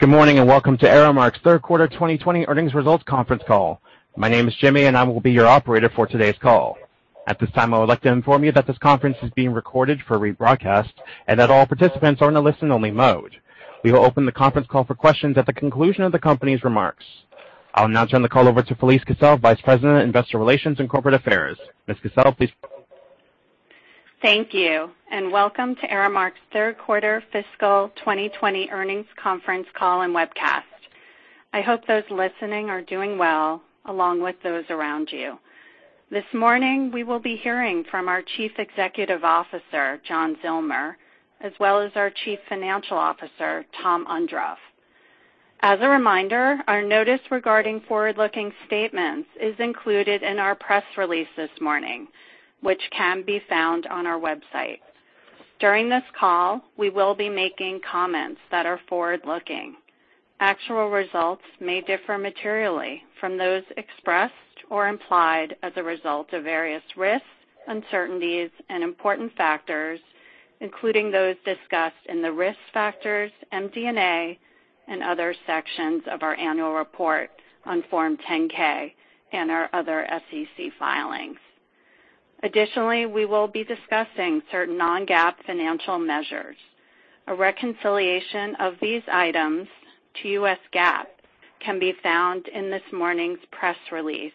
Good morning, and welcome to Aramark's third quarter 2020 earnings results conference call. My name is Jimmy, and I will be your operator for today's call. At this time, I would like to inform you that this conference is being recorded for rebroadcast and that all participants are in a listen-only mode. We will open the conference call for questions at the conclusion of the company's remarks. I'll now turn the call over to Felise Kissell, Vice President of Investor Relations and Corporate Affairs. Ms. Kissell, please. Thank you, and welcome to Aramark's third quarter fiscal 2020 earnings conference call and webcast. I hope those listening are doing well, along with those around you. This morning, we will be hearing from our Chief Executive Officer, John Zillmer, as well as our Chief Financial Officer, Tom Ondrof. As a reminder, our notice regarding forward-looking statements is included in our press release this morning, which can be found on our website. During this call, we will be making comments that are forward-looking. Actual results may differ materially from those expressed or implied as a result of various risks, uncertainties, and important factors, including those discussed in the risk factors, MD&A, and other sections of our annual report on Form 10-K and our other SEC filing. Additionally, we will be discussing certain non-GAAP financial measures. A reconciliation of these items to U.S. GAAP can be found in this morning's press release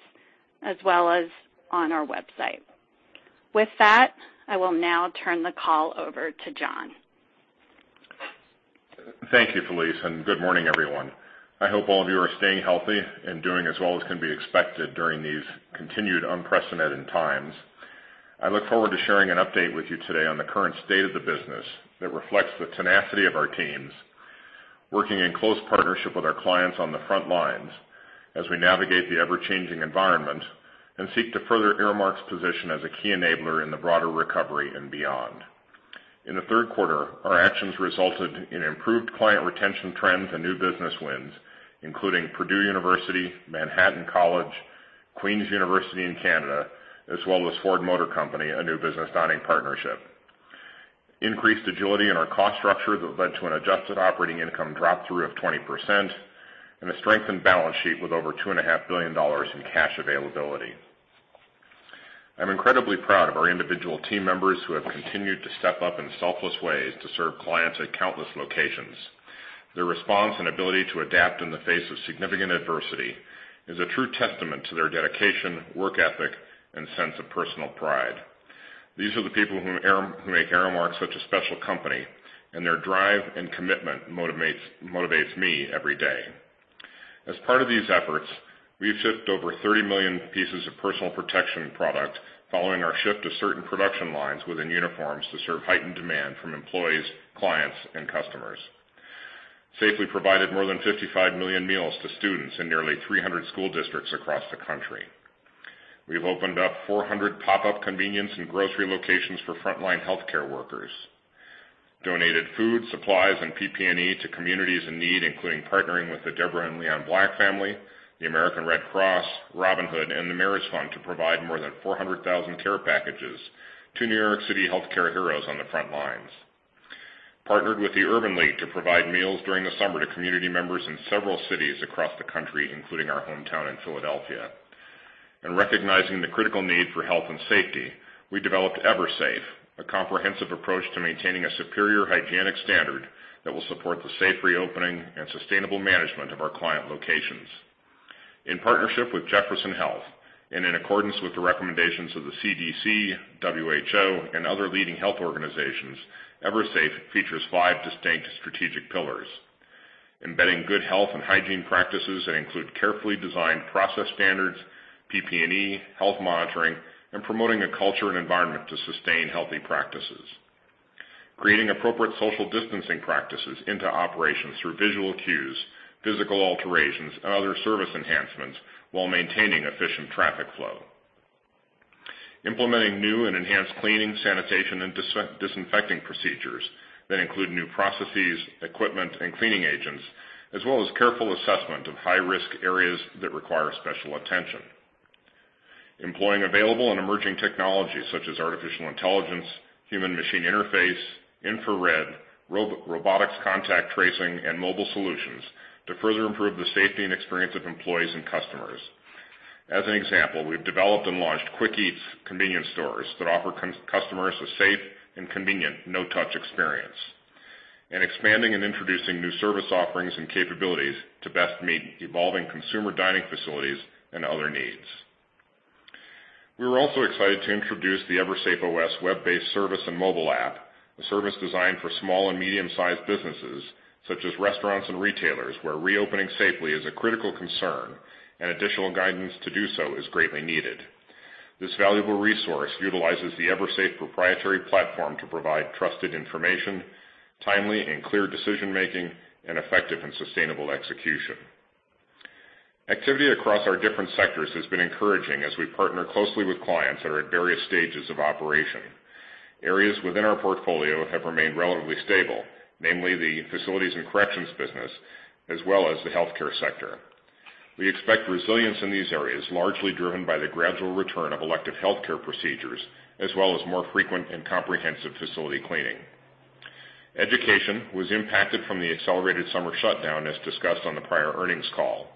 as well as on our website. With that, I will now turn the call over to John. Thank you, Felise, and good morning, everyone. I hope all of you are staying healthy and doing as well as can be expected during these continued unprecedented times. I look forward to sharing an update with you today on the current state of the business that reflects the tenacity of our teams working in close partnership with our clients on the front lines as we navigate the ever-changing environment and seek to further Aramark's position as a key enabler in the broader recovery and beyond. In the third quarter, our actions resulted in improved client retention trends and new business wins, including Purdue University, Manhattan College, Queen's University in Canada, as well as Ford Motor Company, a new business dining partnership. Increased agility in our cost structure that led to an adjusted operating income drop-through of 20% and a strengthened balance sheet with over $2.5 billion in cash availability. I'm incredibly proud of our individual team members who have continued to step up in selfless ways to serve clients at countless locations. Their response and ability to adapt in the face of significant adversity is a true testament to their dedication, work ethic, and sense of personal pride. These are the people who make Aramark such a special company, and their drive and commitment motivates me every day. As part of these efforts, we've shipped over 30 million pieces of personal protection product following our shift to certain production lines within uniforms to serve heightened demand from employees, clients, and customers. Safely provided more than 55 million meals to students in nearly 300 school districts across the country. We've opened up 400 pop-up convenience and grocery locations for frontline healthcare workers. Donated food, supplies, and PPE to communities in need, including partnering with the Debra and Leon Black Family, the American Red Cross, Robin Hood, and the Mayor's Fund to provide more than 400,000 care packages to New York City healthcare heroes on the front lines. Partnered with the Urban League to provide meals during the summer to community members in several cities across the country, including our hometown in Philadelphia. Recognizing the critical need for health and safety, we developed EverSafe, a comprehensive approach to maintaining a superior hygienic standard that will support the safe reopening and sustainable management of our client locations. In partnership with Jefferson Health and in accordance with the recommendations of the CDC, WHO, and other leading health organizations, EverSafe features five distinct strategic pillars. Embedding good health and hygiene practices that include carefully designed process standards, PPE, health monitoring, and promoting a culture and environment to sustain healthy practices. Creating appropriate social distancing practices into operations through visual cues, physical alterations, and other service enhancements while maintaining efficient traffic flow. Implementing new and enhanced cleaning, sanitation, and disinfecting procedures that include new processes, equipment, and cleaning agents, as well as careful assessment of high-risk areas that require special attention. Employing available and emerging technologies such as artificial intelligence, human machine interface, infrared, robotics contact tracing, and mobile solutions to further improve the safety and experience of employees and customers. As an example, we've developed and launched Quick Eats convenience stores that offer customers a safe and convenient no-touch experience. Expanding and introducing new service offerings and capabilities to best meet evolving consumer dining facilities and other needs. We are also excited to introduce the EverSafe OS web-based service and mobile app, a service designed for small and medium-sized businesses such as restaurants and retailers, where reopening safely is a critical concern and additional guidance to do so is greatly needed. This valuable resource utilizes the EverSafe proprietary platform to provide trusted information, timely and clear decision-making, and effective and sustainable execution. Activity across our different sectors has been encouraging as we partner closely with clients that are at various stages of operation. Areas within our portfolio have remained relatively stable, namely the facilities and corrections business as well as the healthcare sector. We expect resilience in these areas, largely driven by the gradual return of elective healthcare procedures, as well as more frequent and comprehensive facility cleaning. Education was impacted from the accelerated summer shutdown, as discussed on the prior earnings call.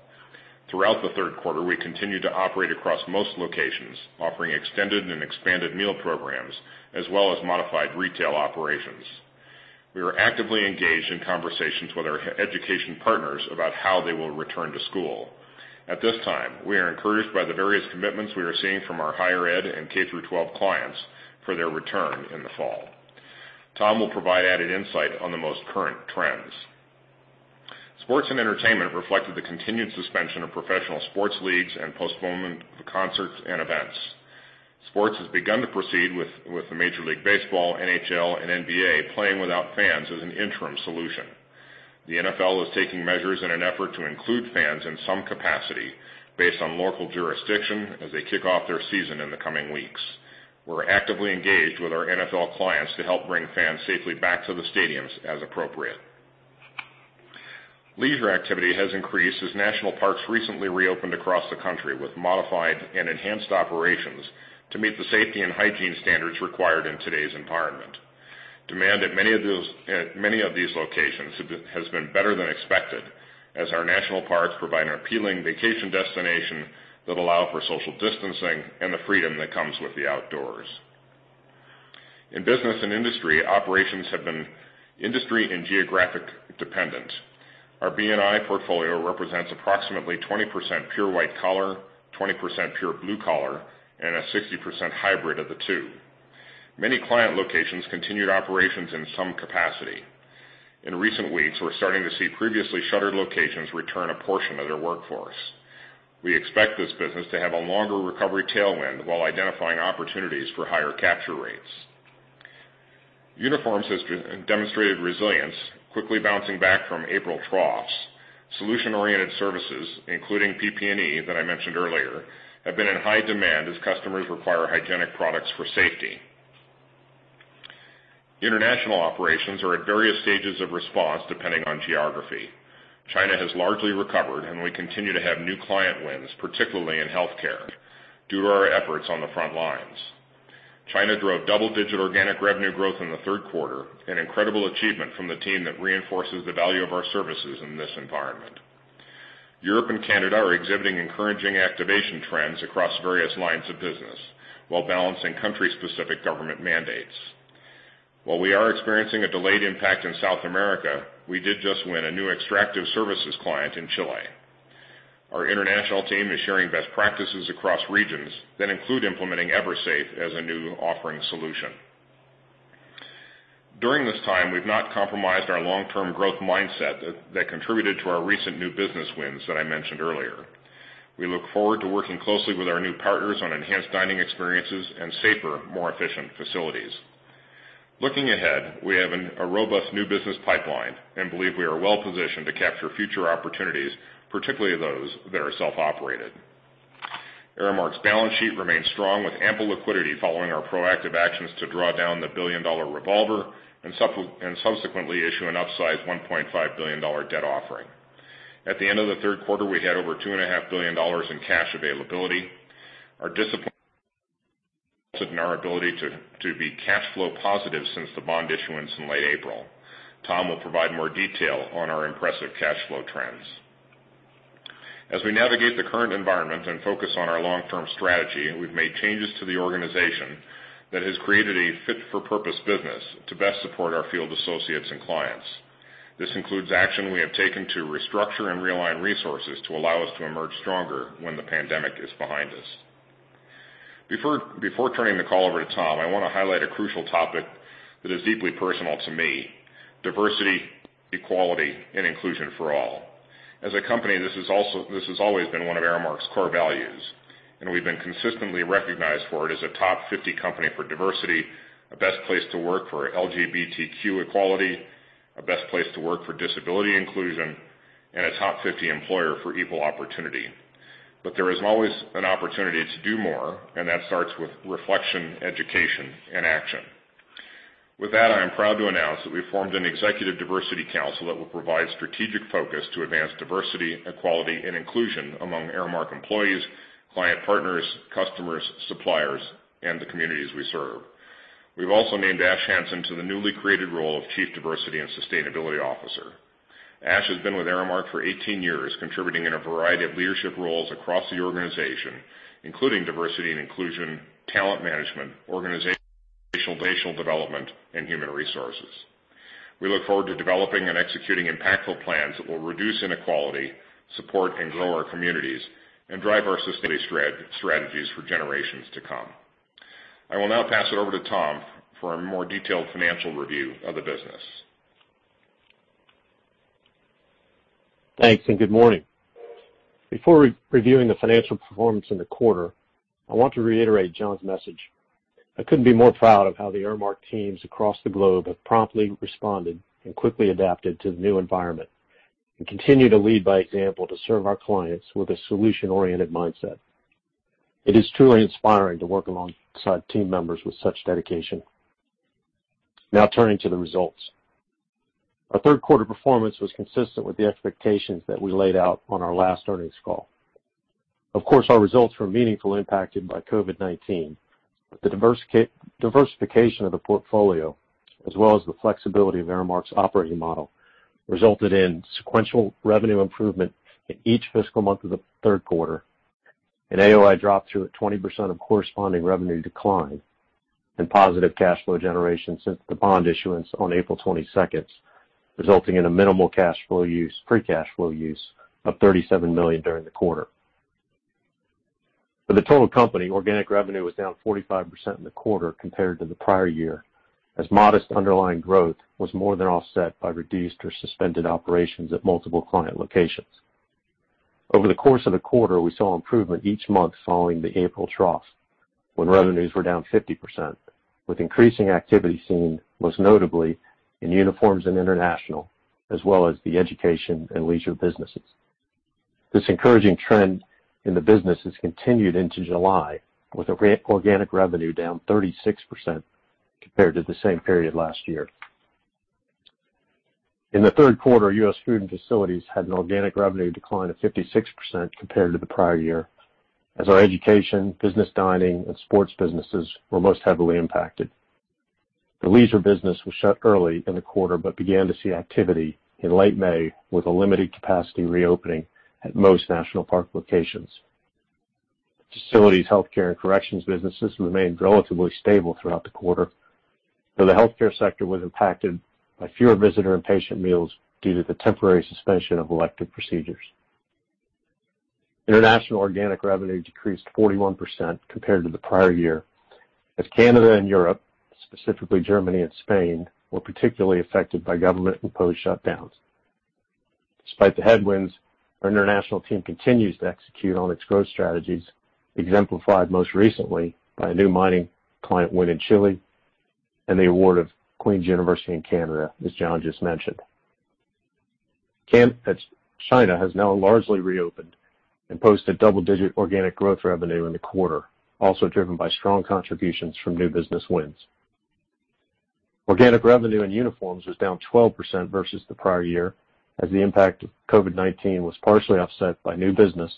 Throughout the third quarter, we continued to operate across most locations, offering extended and expanded meal programs, as well as modified retail operations. We are actively engaged in conversations with our education partners about how they will return to school. At this time, we are encouraged by the various commitments we are seeing from our higher ed and K-12 clients for their return in the fall. Tom will provide added insight on the most current trends. Sports and entertainment reflected the continued suspension of professional sports leagues and postponement of concerts and events. Sports has begun to proceed with the Major League Baseball, NHL, and NBA playing without fans as an interim solution. The NFL is taking measures in an effort to include fans in some capacity based on local jurisdiction as they kick off their season in the coming weeks. We're actively engaged with our NFL clients to help bring fans safely back to the stadiums as appropriate. Leisure activity has increased as national parks recently reopened across the country, with modified and enhanced operations to meet the safety and hygiene standards required in today's environment. Demand at many of these locations has been better than expected, as our national parks provide an appealing vacation destination that allow for social distancing and the freedom that comes with the outdoors. In business and industry, operations have been industry and geographic dependent. Our B&I portfolio represents approximately 20% pure white collar, 20% pure blue collar, and a 60% hybrid of the two. Many client locations continued operations in some capacity. In recent weeks, we're starting to see previously shuttered locations return a portion of their workforce. We expect this business to have a longer recovery tailwind while identifying opportunities for higher capture rates. Uniforms has demonstrated resilience, quickly bouncing back from April troughs. Solution-oriented services, including PP&E that I mentioned earlier, have been in high demand as customers require hygienic products for safety. International operations are at various stages of response, depending on geography. China has largely recovered. We continue to have new client wins, particularly in healthcare, due to our efforts on the front lines. China drove double-digit organic revenue growth in the third quarter, an incredible achievement from the team that reinforces the value of our services in this environment. Europe and Canada are exhibiting encouraging activation trends across various lines of business, while balancing country-specific government mandates. While we are experiencing a delayed impact in South America, we did just win a new extractive services client in Chile. Our international team is sharing best practices across regions that include implementing EverSafe as a new offering solution. During this time, we've not compromised our long-term growth mindset that contributed to our recent new business wins that I mentioned earlier. We look forward to working closely with our new partners on enhanced dining experiences and safer, more efficient facilities. Looking ahead, we have a robust new business pipeline and believe we are well positioned to capture future opportunities, particularly those that are self-operated. Aramark's balance sheet remains strong with ample liquidity following our proactive actions to draw down the billion-dollar revolver and subsequently issue an upsize $1.5 billion debt offering. At the end of the third quarter, we had over $2.5 billion in cash availability. Our discipline in our ability to be cash flow positive since the bond issuance in late April. Tom will provide more detail on our impressive cash flow trends. As we navigate the current environment and focus on our long-term strategy, we've made changes to the organization that has created a fit-for-purpose business to best support our field associates and clients. This includes action we have taken to restructure and realign resources to allow us to emerge stronger when the pandemic is behind us. Before turning the call over to Tom, I want to highlight a crucial topic that is deeply personal to me: diversity, equality, and inclusion for all. As a company, this has always been one of Aramark's core values, and we've been consistently recognized for it as a top 50 company for diversity, a best place to work for LGBTQ equality, a best place to work for disability inclusion, and a top 50 employer for equal opportunity. There is always an opportunity to do more, and that starts with reflection, education, and action. With that, I am proud to announce that we formed an executive diversity council that will provide strategic focus to advance diversity, equality, and inclusion among Aramark employees, client partners, customers, suppliers, and the communities we serve. We've also named Ash Hanson to the newly created role of Chief Diversity and Sustainability Officer. Ash has been with Aramark for 18 years, contributing in a variety of leadership roles across the organization, including diversity and inclusion, talent management, organizational development, and human resources. We look forward to developing and executing impactful plans that will reduce inequality, support and grow our communities, and drive our sustainability strategies for generations to come. I will now pass it over to Tom for a more detailed financial review of the business. Thanks. Good morning. Before reviewing the financial performance in the quarter, I want to reiterate John's message. I couldn't be more proud of how the Aramark teams across the globe have promptly responded and quickly adapted to the new environment and continue to lead by example to serve our clients with a solution-oriented mindset. It is truly inspiring to work alongside team members with such dedication. Now turning to the results. Our third quarter performance was consistent with the expectations that we laid out on our last earnings call. Of course, our results were meaningfully impacted by COVID-19. The diversification of the portfolio, as well as the flexibility of Aramark's operating model, resulted in sequential revenue improvement in each fiscal month of the third quarter. An AOI drop through at 20% of corresponding revenue decline, and positive cash flow generation since the bond issuance on April 22nd, resulting in a minimal cash flow use, free cash flow use of $37 million during the quarter. For the total company, organic revenue was down 45% in the quarter compared to the prior year, as modest underlying growth was more than offset by reduced or suspended operations at multiple client locations. Over the course of the quarter, we saw improvement each month following the April trough, when revenues were down 50%, with increasing activity seen most notably in Uniforms and International, as well as the Education and Leisure businesses. This encouraging trend in the business has continued into July, with organic revenue down 36% compared to the same period last year. In the third quarter, U.S. Food and Facilities had an organic revenue decline of 56% compared to the prior year, as our Education, Business Dining, and Sports businesses were most heavily impacted. The Leisure business was shut early in the quarter but began to see activity in late May with a limited capacity reopening at most national park locations. Facilities, Healthcare, and Corrections businesses remained relatively stable throughout the quarter, though the Healthcare sector was impacted by fewer visitor and patient meals due to the temporary suspension of elective procedures. International organic revenue decreased 41% compared to the prior year, as Canada and Europe, specifically Germany and Spain, were particularly affected by government-imposed shutdowns. Despite the headwinds, our international team continues to execute on its growth strategies, exemplified most recently by a new mining client win in Chile and the award of Queen's University in Canada, as John just mentioned. China has now largely reopened and posted double-digit organic growth revenue in the quarter, also driven by strong contributions from new business wins. Organic revenue in Uniforms was down 12% versus the prior year, as the impact of COVID-19 was partially offset by new business,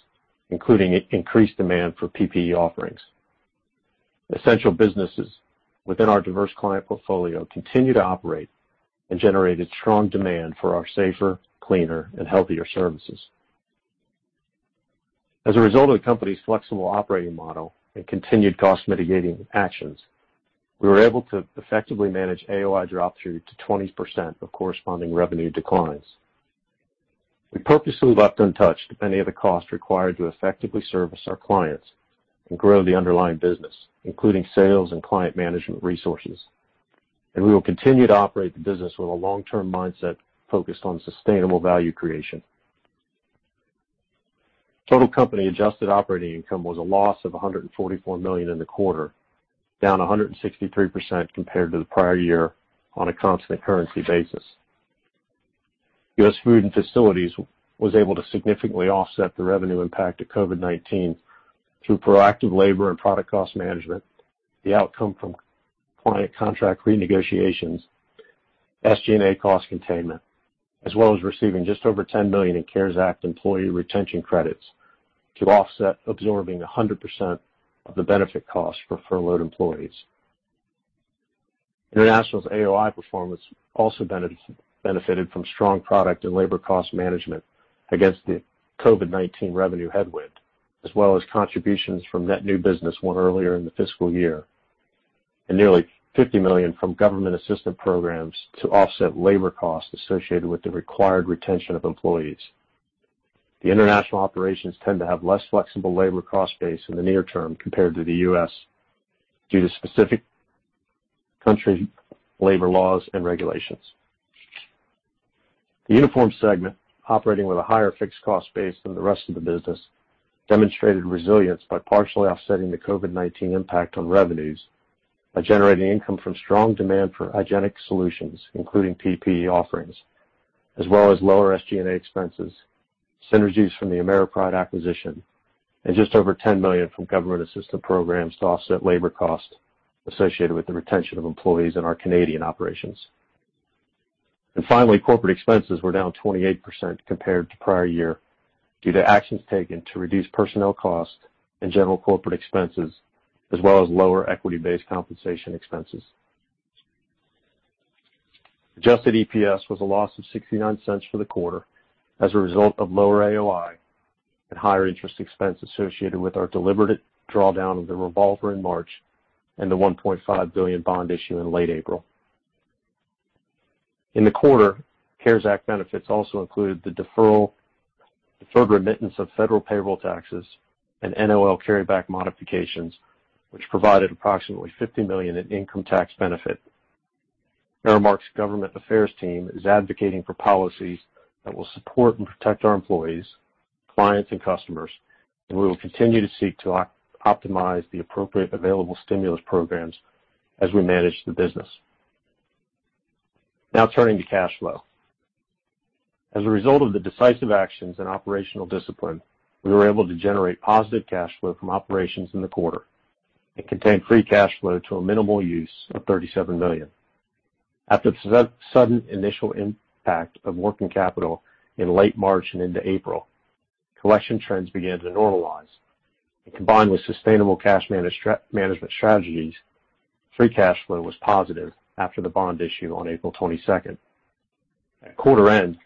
including increased demand for PPE offerings. Essential businesses within our diverse client portfolio continue to operate and generated strong demand for our safer, cleaner, and healthier services. As a result of the company's flexible operating model and continued cost-mitigating actions, we were able to effectively manage AOI drop through to 20% of corresponding revenue declines. We purposely left untouched any of the costs required to effectively service our clients and grow the underlying business, including sales and client management resources. We will continue to operate the business with a long-term mindset focused on sustainable value creation. Total company adjusted operating income was a loss of $144 million in the quarter, down 163% compared to the prior year on a constant currency basis. US Food and Facilities was able to significantly offset the revenue impact of COVID-19 through proactive labor and product cost management, the outcome from client contract renegotiations, SG&A cost containment, as well as receiving just over $10 million in CARES Act employee retention credits to offset absorbing 100% of the benefit cost for furloughed employees. International's AOI performance also benefited from strong product and labor cost management against the COVID-19 revenue headwind, as well as contributions from net new business won earlier in the fiscal year, and nearly $50 million from government assistance programs to offset labor costs associated with the required retention of employees. The international operations tend to have less flexible labor cost base in the near term compared to the U.S., due to specific country labor laws and regulations. The Uniform segment, operating with a higher fixed cost base than the rest of the business, demonstrated resilience by partially offsetting the COVID-19 impact on revenues by generating income from strong demand for hygienic solutions, including PPE offerings, as well as lower SG&A expenses, synergies from the AmeriPride acquisition, and just over $10 million from government assistance programs to offset labor cost associated with the retention of employees in our Canadian operations. Finally, corporate expenses were down 28% compared to prior year due to actions taken to reduce personnel costs and general corporate expenses, as well as lower equity-based compensation expenses. Adjusted EPS was a loss of $0.69 for the quarter as a result of lower AOI and higher interest expense associated with our deliberate drawdown of the revolver in March and the $1.5 billion bond issue in late April. In the quarter, CARES Act benefits also included the deferred remittance of federal payroll taxes and NOL carryback modifications, which provided approximately $50 million in income tax benefit. Aramark's Government Affairs team is advocating for policies that will support and protect our employees, clients, and customers. We will continue to seek to optimize the appropriate available stimulus programs as we manage the business. Now turning to cash flow. As a result of the decisive actions and operational discipline, we were able to generate positive cash flow from operations in the quarter and contain free cash flow to a minimal use of $37 million. After the sudden initial impact of working capital in late March and into April, collection trends began to normalize, and combined with sustainable cash management strategies, free cash flow was positive after the bond issue on April 22nd. At quarter end,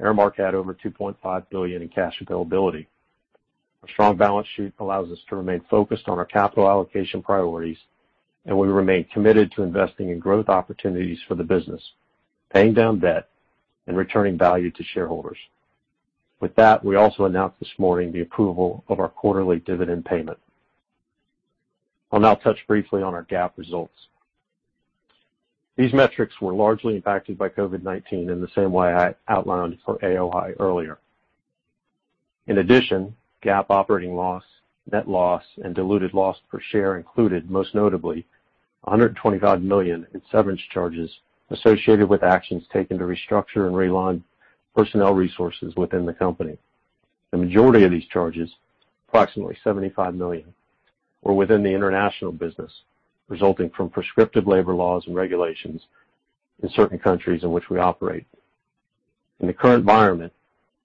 Aramark had over $2.5 billion in cash availability. A strong balance sheet allows us to remain focused on our capital allocation priorities, and we remain committed to investing in growth opportunities for the business, paying down debt, and returning value to shareholders. With that, we also announced this morning the approval of our quarterly dividend payment. I'll now touch briefly on our GAAP results. These metrics were largely impacted by COVID-19 in the same way I outlined for AOI earlier. In addition, GAAP operating loss, net loss, and diluted loss per share included, most notably, $125 million in severance charges associated with actions taken to restructure and realign personnel resources within the company. The majority of these charges, approximately $75 million, were within the international business, resulting from prescriptive labor laws and regulations in certain countries in which we operate. In the current environment,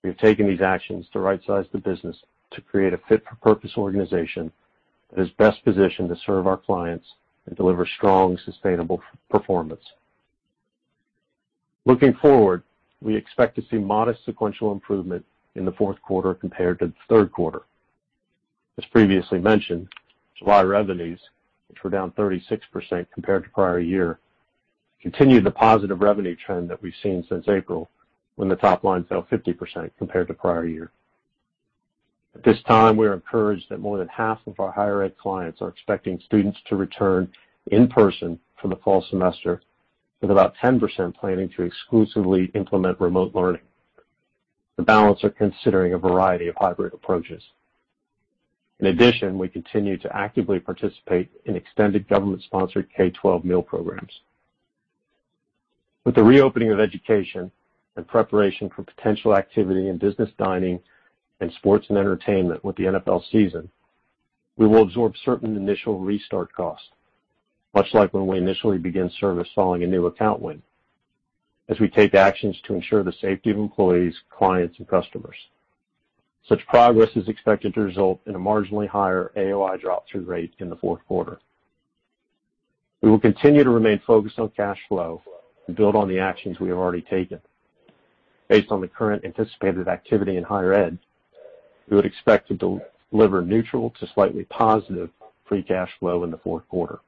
we have taken these actions to right-size the business to create a fit-for-purpose organization that is best positioned to serve our clients and deliver strong, sustainable performance. Looking forward, we expect to see modest sequential improvement in the fourth quarter compared to the third quarter. As previously mentioned, July revenues, which were down 36% compared to prior year, continued the positive revenue trend that we've seen since April, when the top line fell 50% compared to prior year. At this time, we are encouraged that more than half of our higher ed clients are expecting students to return in person for the fall semester, with about 10% planning to exclusively implement remote learning. The balance are considering a variety of hybrid approaches. In addition, we continue to actively participate in extended government-sponsored K-12 meal programs. With the reopening of education and preparation for potential activity in business dining and sports and entertainment with the NFL season, we will absorb certain initial restart costs, much like when we initially begin service following a new account win, as we take actions to ensure the safety of employees, clients, and customers. Such progress is expected to result in a marginally higher AOI drop-through rate in the fourth quarter. We will continue to remain focused on cash flow and build on the actions we have already taken. Based on the current anticipated activity in higher ed, we would expect to deliver neutral to slightly positive free cash flow in the fourth quarter.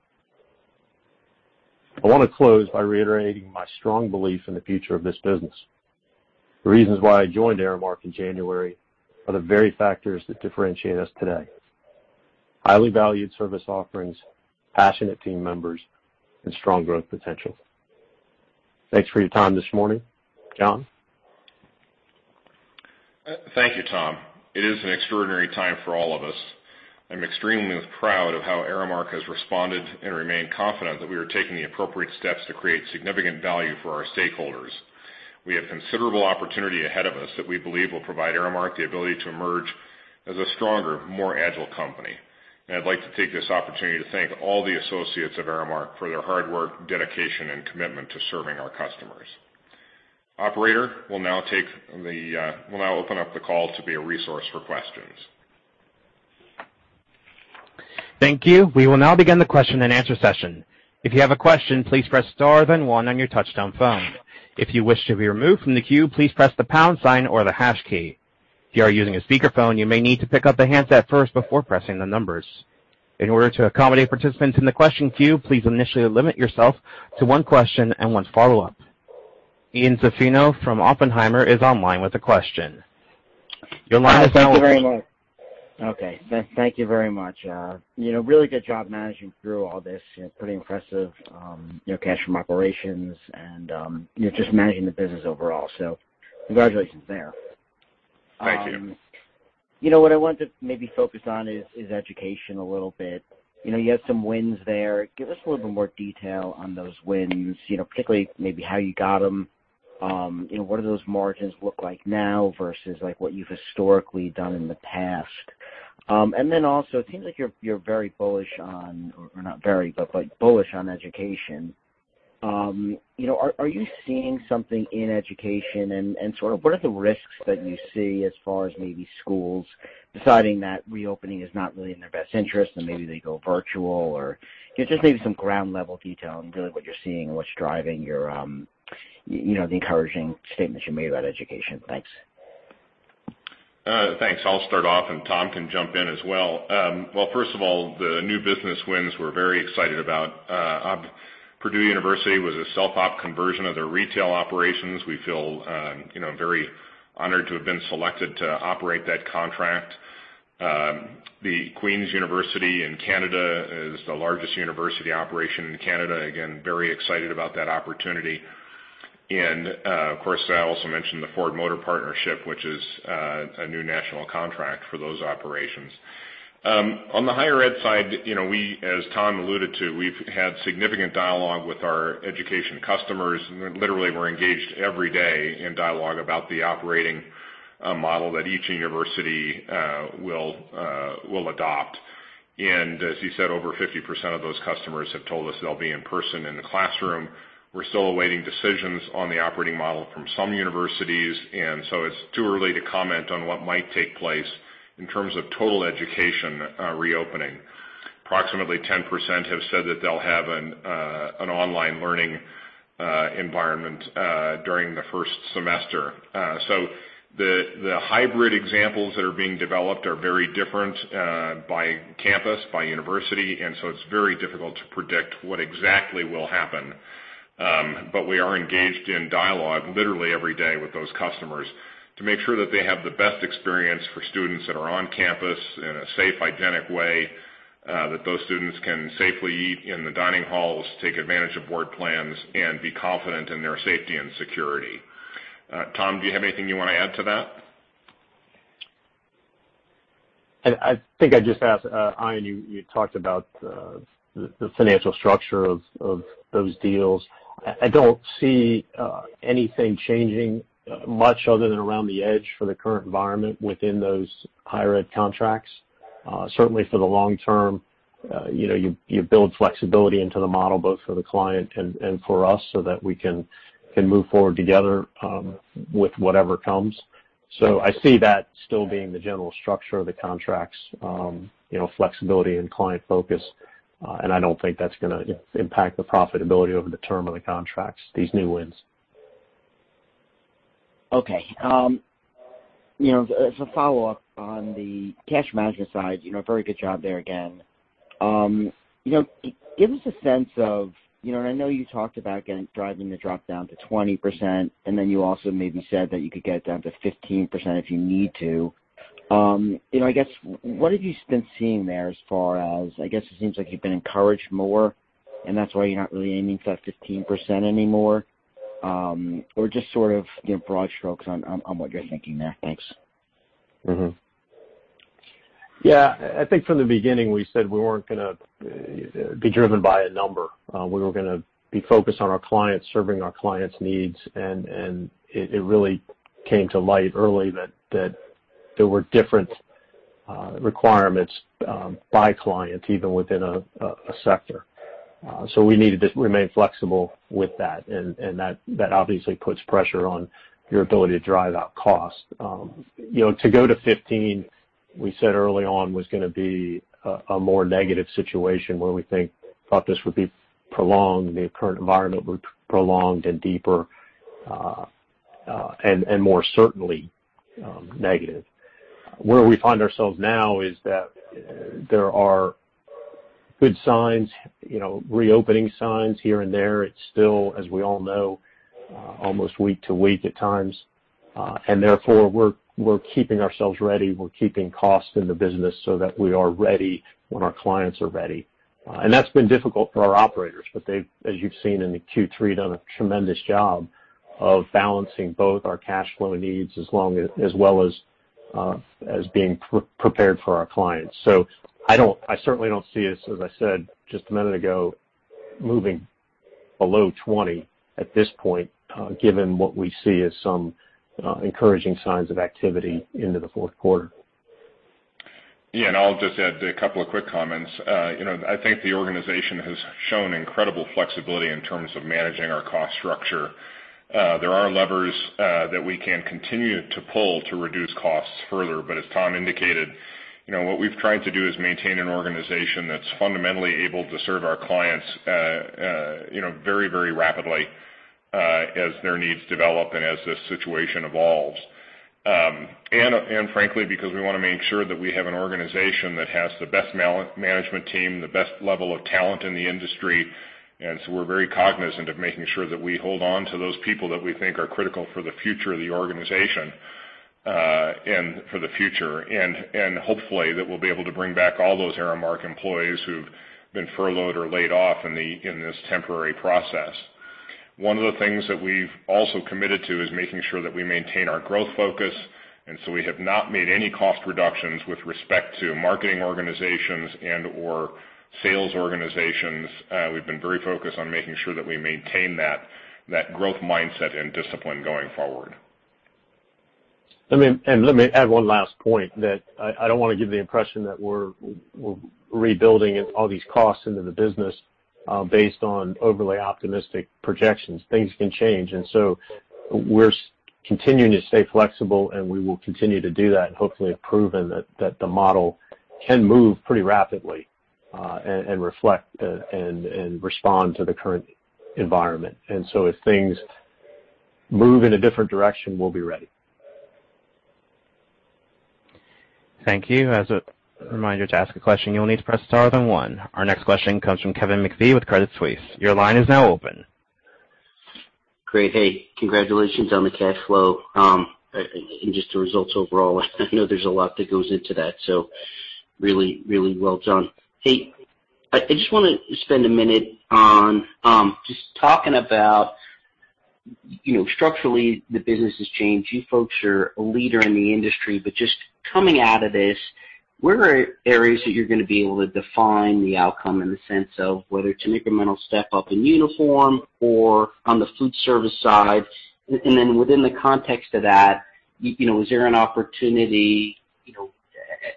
I want to close by reiterating my strong belief in the future of this business. The reasons why I joined Aramark in January are the very factors that differentiate us today: highly valued service offerings, passionate team members, and strong growth potential. Thanks for your time this morning. John? Thank you, Tom. It is an extraordinary time for all of us. I'm extremely proud of how Aramark has responded and remain confident that we are taking the appropriate steps to create significant value for our stakeholders. We have considerable opportunity ahead of us that we believe will provide Aramark the ability to emerge as a stronger, more agile company. I'd like to take this opportunity to thank all the associates of Aramark for their hard work, dedication, and commitment to serving our customers. Operator, we'll now open up the call to be a resource for questions. Thank you. We will now begin the question and answer session. If you have a question, please press star then one on your touchtone phone. If you wish to be removed from the queue, please press the pound sign or the hash key. If you are using a speakerphone, you may need to pick up the handset first before pressing the numbers. In order to accommodate participants in the question queue, please initially limit yourself to one question and one follow-up. Ian Zaffino from Oppenheimer is online with a question. Your line is now open. Thank you very much. Okay. Thank you very much. Really good job managing through all this. Pretty impressive, your cash from operations and just managing the business overall. Congratulations there. Thank you. What I wanted to maybe focus on is education a little bit. You had some wins there. Give us a little bit more detail on those wins, particularly maybe how you got them. What do those margins look like now versus what you've historically done in the past? It seems like you're very bullish on, or not very, but bullish on education. Are you seeing something in education, and what are the risks that you see as far as maybe schools deciding that reopening is not really in their best interest, and maybe they go virtual? Just maybe some ground-level detail on really what you're seeing and what's driving the encouraging statements you made about education. Thanks. Thanks. I'll start off, and Tom can jump in as well. Well, first of all, the new business wins we're very excited about. Purdue University was a self-op conversion of their retail operations. We feel very honored to have been selected to operate that contract. Queen's University in Canada is the largest university operation in Canada. Again, very excited about that opportunity. Of course, I also mentioned the Ford Motor partnership, which is a new national contract for those operations. On the higher ed side, as Tom alluded to, we've had significant dialogue with our education customers. Literally, we're engaged every day in dialogue about the operating model that each university will adopt. As you said, over 50% of those customers have told us they'll be in person in the classroom. We're still awaiting decisions on the operating model from some universities. It's too early to comment on what might take place in terms of total education reopening. Approximately 10% have said that they'll have an online learning environment during the first semester. The hybrid examples that are being developed are very different by campus, by university. It's very difficult to predict what exactly will happen. We are engaged in dialogue literally every day with those customers to make sure that they have the best experience for students that are on campus in a safe, hygienic way, that those students can safely eat in the dining halls, take advantage of board plans, and be confident in their safety and security. Tom, do you have anything you want to add to that? I think I'd just ask, Ian, you talked about the financial structure of those deals. I don't see anything changing much other than around the edge for the current environment within those higher ed contracts. Certainly for the long term, you build flexibility into the model, both for the client and for us, so that we can move forward together with whatever comes. I see that still being the general structure of the contracts, flexibility and client focus, and I don't think that's going to impact the profitability over the term of the contracts, these new wins. Okay. As a follow-up on the cash management side, very good job there again. Give us a sense of, I know you talked about driving the drop down to 20%, and then you also maybe said that you could get it down to 15% if you need to. I guess, what have you been seeing there as far as, I guess it seems like you've been encouraged more, and that's why you're not really aiming for that 15% anymore? Just sort of broad strokes on what you're thinking there. Thanks. Yeah. I think from the beginning, we said we weren't going to be driven by a number. We were going to be focused on our clients, serving our clients' needs, and it really came to light early that there were different requirements by client, even within a sector. We needed to remain flexible with that, and that obviously puts pressure on your ability to drive out cost. To go to 15, we said early on, was going to be a more negative situation where we thought this would be prolonged, the current environment would prolonged and deeper, and more certainly negative. Where we find ourselves now is that there are good signs, reopening signs here and there. It's still, as we all know, almost week to week at times. Therefore, we're keeping ourselves ready. We're keeping cost in the business so that we are ready when our clients are ready. That's been difficult for our operators, but they've, as you've seen in the Q3, done a tremendous job of balancing both our cash flow needs, as well as being prepared for our clients. I certainly don't see us, as I said just a minute ago, moving below 20 at this point, given what we see as some encouraging signs of activity into the fourth quarter. Yeah, I'll just add a couple of quick comments. I think the organization has shown incredible flexibility in terms of managing our cost structure. There are levers that we can continue to pull to reduce costs further, as Tom indicated, what we've tried to do is maintain an organization that's fundamentally able to serve our clients very rapidly as their needs develop and as the situation evolves. Frankly, because we want to make sure that we have an organization that has the best management team, the best level of talent in the industry. We're very cognizant of making sure that we hold on to those people that we think are critical for the future of the organization, and for the future. Hopefully, that we'll be able to bring back all those Aramark employees who've been furloughed or laid off in this temporary process. One of the things that we've also committed to is making sure that we maintain our growth focus. We have not made any cost reductions with respect to marketing organizations and/or sales organizations. We've been very focused on making sure that we maintain that growth mindset and discipline going forward. Let me add one last point, that I don't want to give the impression that we're rebuilding all these costs into the business based on overly optimistic projections. Things can change. So we're continuing to stay flexible, and we will continue to do that, and hopefully have proven that the model can move pretty rapidly, and reflect and respond to the current environment. So if things move in a different direction, we'll be ready. Thank you. As a reminder, to ask a question, you'll need to press star then one. Our next question comes from Kevin McVeigh with Credit Suisse. Your line is now open. Great. Congratulations on the cash flow, and just the results overall. I know there's a lot that goes into that. Really well done. I just want to spend a minute on just talking about. Structurally, the business has changed. You folks are a leader in the industry. Just coming out of this, where are areas that you're going to be able to define the outcome in the sense of whether it's an incremental step up in uniform or on the food service side? Within the context of that, is there an opportunity,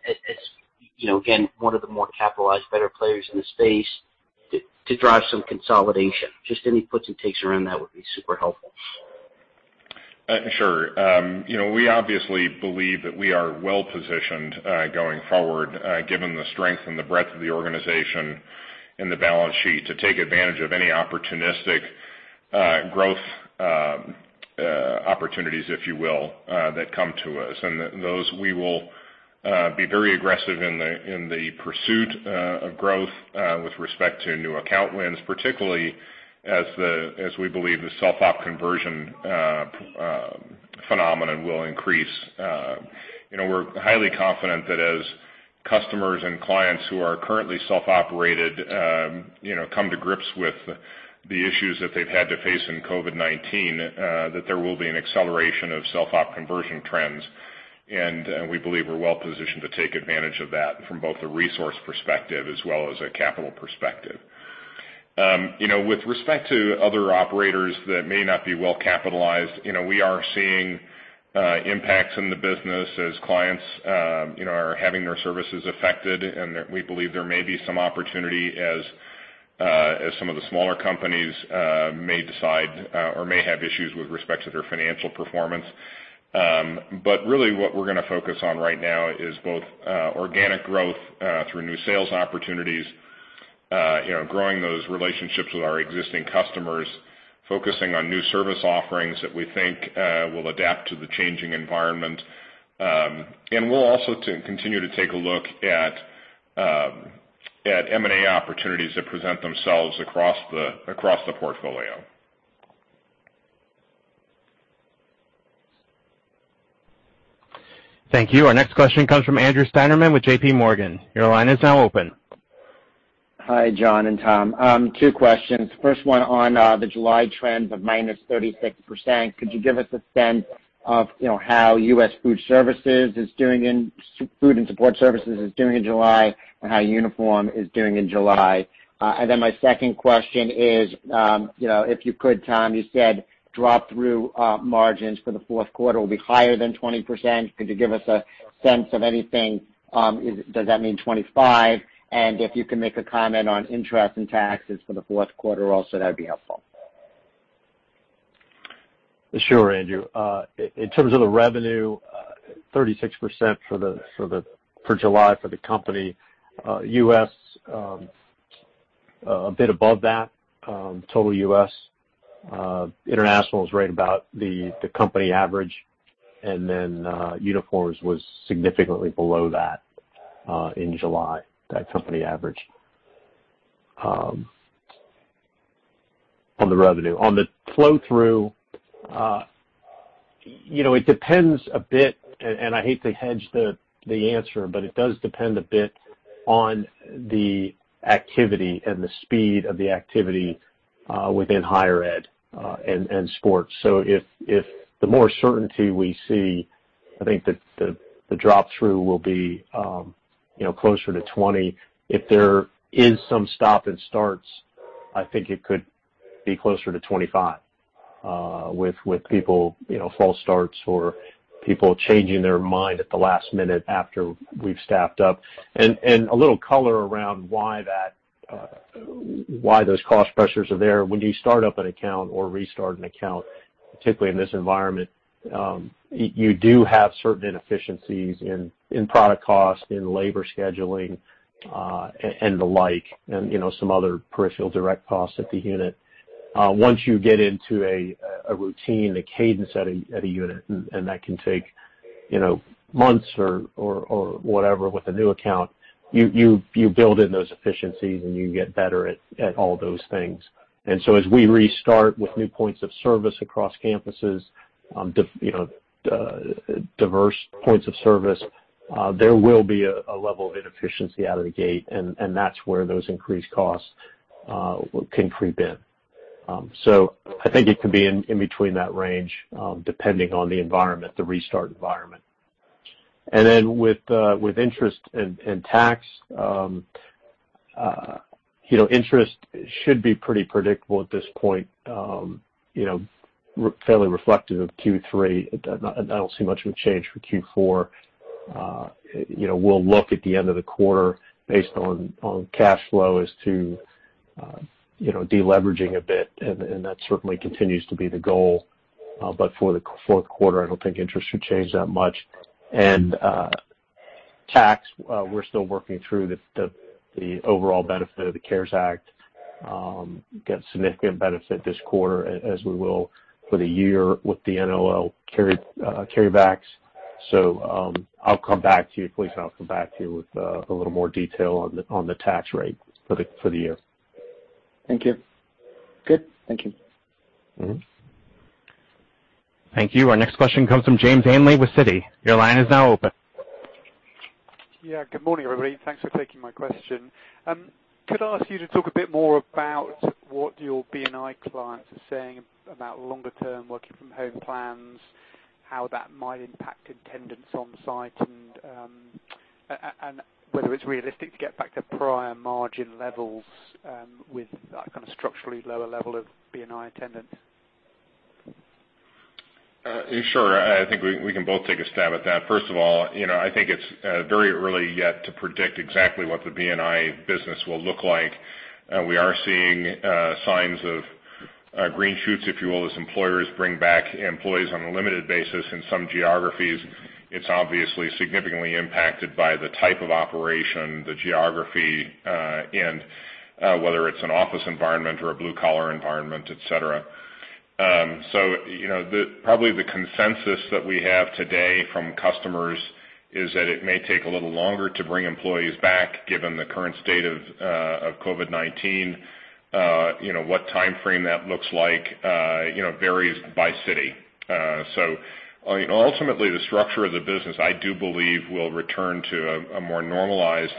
as, again, one of the more capitalized better players in the space, to drive some consolidation? Just any puts and takes around that would be super helpful. Sure. We obviously believe that we are well-positioned, going forward, given the strength and the breadth of the organization and the balance sheet, to take advantage of any opportunistic growth opportunities, if you will, that come to us. Those, we will be very aggressive in the pursuit of growth with respect to new account wins, particularly as we believe the self-op conversion phenomenon will increase. We're highly confident that as customers and clients who are currently self-operated come to grips with the issues that they've had to face in COVID-19, that there will be an acceleration of self-op conversion trends. We believe we're well positioned to take advantage of that from both a resource perspective as well as a capital perspective. With respect to other operators that may not be well capitalized, we are seeing impacts in the business as clients are having their services affected, and we believe there may be some opportunity as some of the smaller companies may decide or may have issues with respect to their financial performance. Really what we're going to focus on right now is both organic growth through new sales opportunities, growing those relationships with our existing customers, focusing on new service offerings that we think will adapt to the changing environment. We'll also continue to take a look at M&A opportunities that present themselves across the portfolio. Thank you. Our next question comes from Andrew Steinerman with JP Morgan. Your line is now open. Hi, John and Tom. Two questions. First one on the July trends of -36%. Could you give us a sense of how U.S. Food and Support Services is doing in July and how uniform is doing in July? My second question is, if you could, Tom, you said drop-through margins for the fourth quarter will be higher than 20%. Could you give us a sense of anything? Does that mean 25? If you can make a comment on interest and taxes for the fourth quarter also, that'd be helpful. Sure, Andrew. In terms of the revenue, 36% for July for the company. U.S., a bit above that, total U.S. International is right about the company average. Uniforms was significantly below that in July, that company average on the revenue. On the flow-through, it depends a bit, and I hate to hedge the answer, but it does depend a bit on the activity and the speed of the activity within higher ed and sports. The more certainty we see, I think that the drop-through will be closer to 20. If there is some stop and starts, I think it could be closer to 25, with people, false starts or people changing their mind at the last minute after we've staffed up. A little color around why those cost pressures are there. When you start up an account or restart an account, particularly in this environment, you do have certain inefficiencies in product cost, in labor scheduling, and the like, and some other peripheral direct costs at the unit. Once you get into a routine, a cadence at a unit, and that can take months or whatever with a new account, you build in those efficiencies and you get better at all those things. As we restart with new points of service across campuses, diverse points of service, there will be a level of inefficiency out of the gate, and that's where those increased costs can creep in. I think it can be in between that range, depending on the environment, the restart environment. With interest and tax, interest should be pretty predictable at this point. Fairly reflective of Q3. I don't see much of a change for Q4. We'll look at the end of the quarter based on cash flow as to de-leveraging a bit, and that certainly continues to be the goal. For the fourth quarter, I don't think interest should change that much. Tax, we're still working through the overall benefit of the CARES Act. Get significant benefit this quarter as we will for the year with the NOL carry backs. I'll come back to you. Please, I'll come back to you with a little more detail on the tax rate for the year. Thank you. Good. Thank you. Thank you. Our next question comes from James Ainley with Citi. Your line is now open. Yeah. Good morning, everybody. Thanks for taking my question. Could I ask you to talk a bit more about what your B&I clients are saying about longer term working from home plans, how that might impact attendance on site and whether it's realistic to get back to prior margin levels with that kind of structurally lower level of B&I attendance? Sure. I think we can both take a stab at that. First of all, I think it's very early yet to predict exactly what the B&I business will look like. We are seeing signs of green shoots, if you will, as employers bring back employees on a limited basis in some geographies. It's obviously significantly impacted by the type of operation, the geography, and whether it's an office environment or a blue collar environment, et cetera. Probably the consensus that we have today from customers is that it may take a little longer to bring employees back, given the current state of COVID-19. What timeframe that looks like varies by city. Ultimately, the structure of the business, I do believe, will return to a more normalized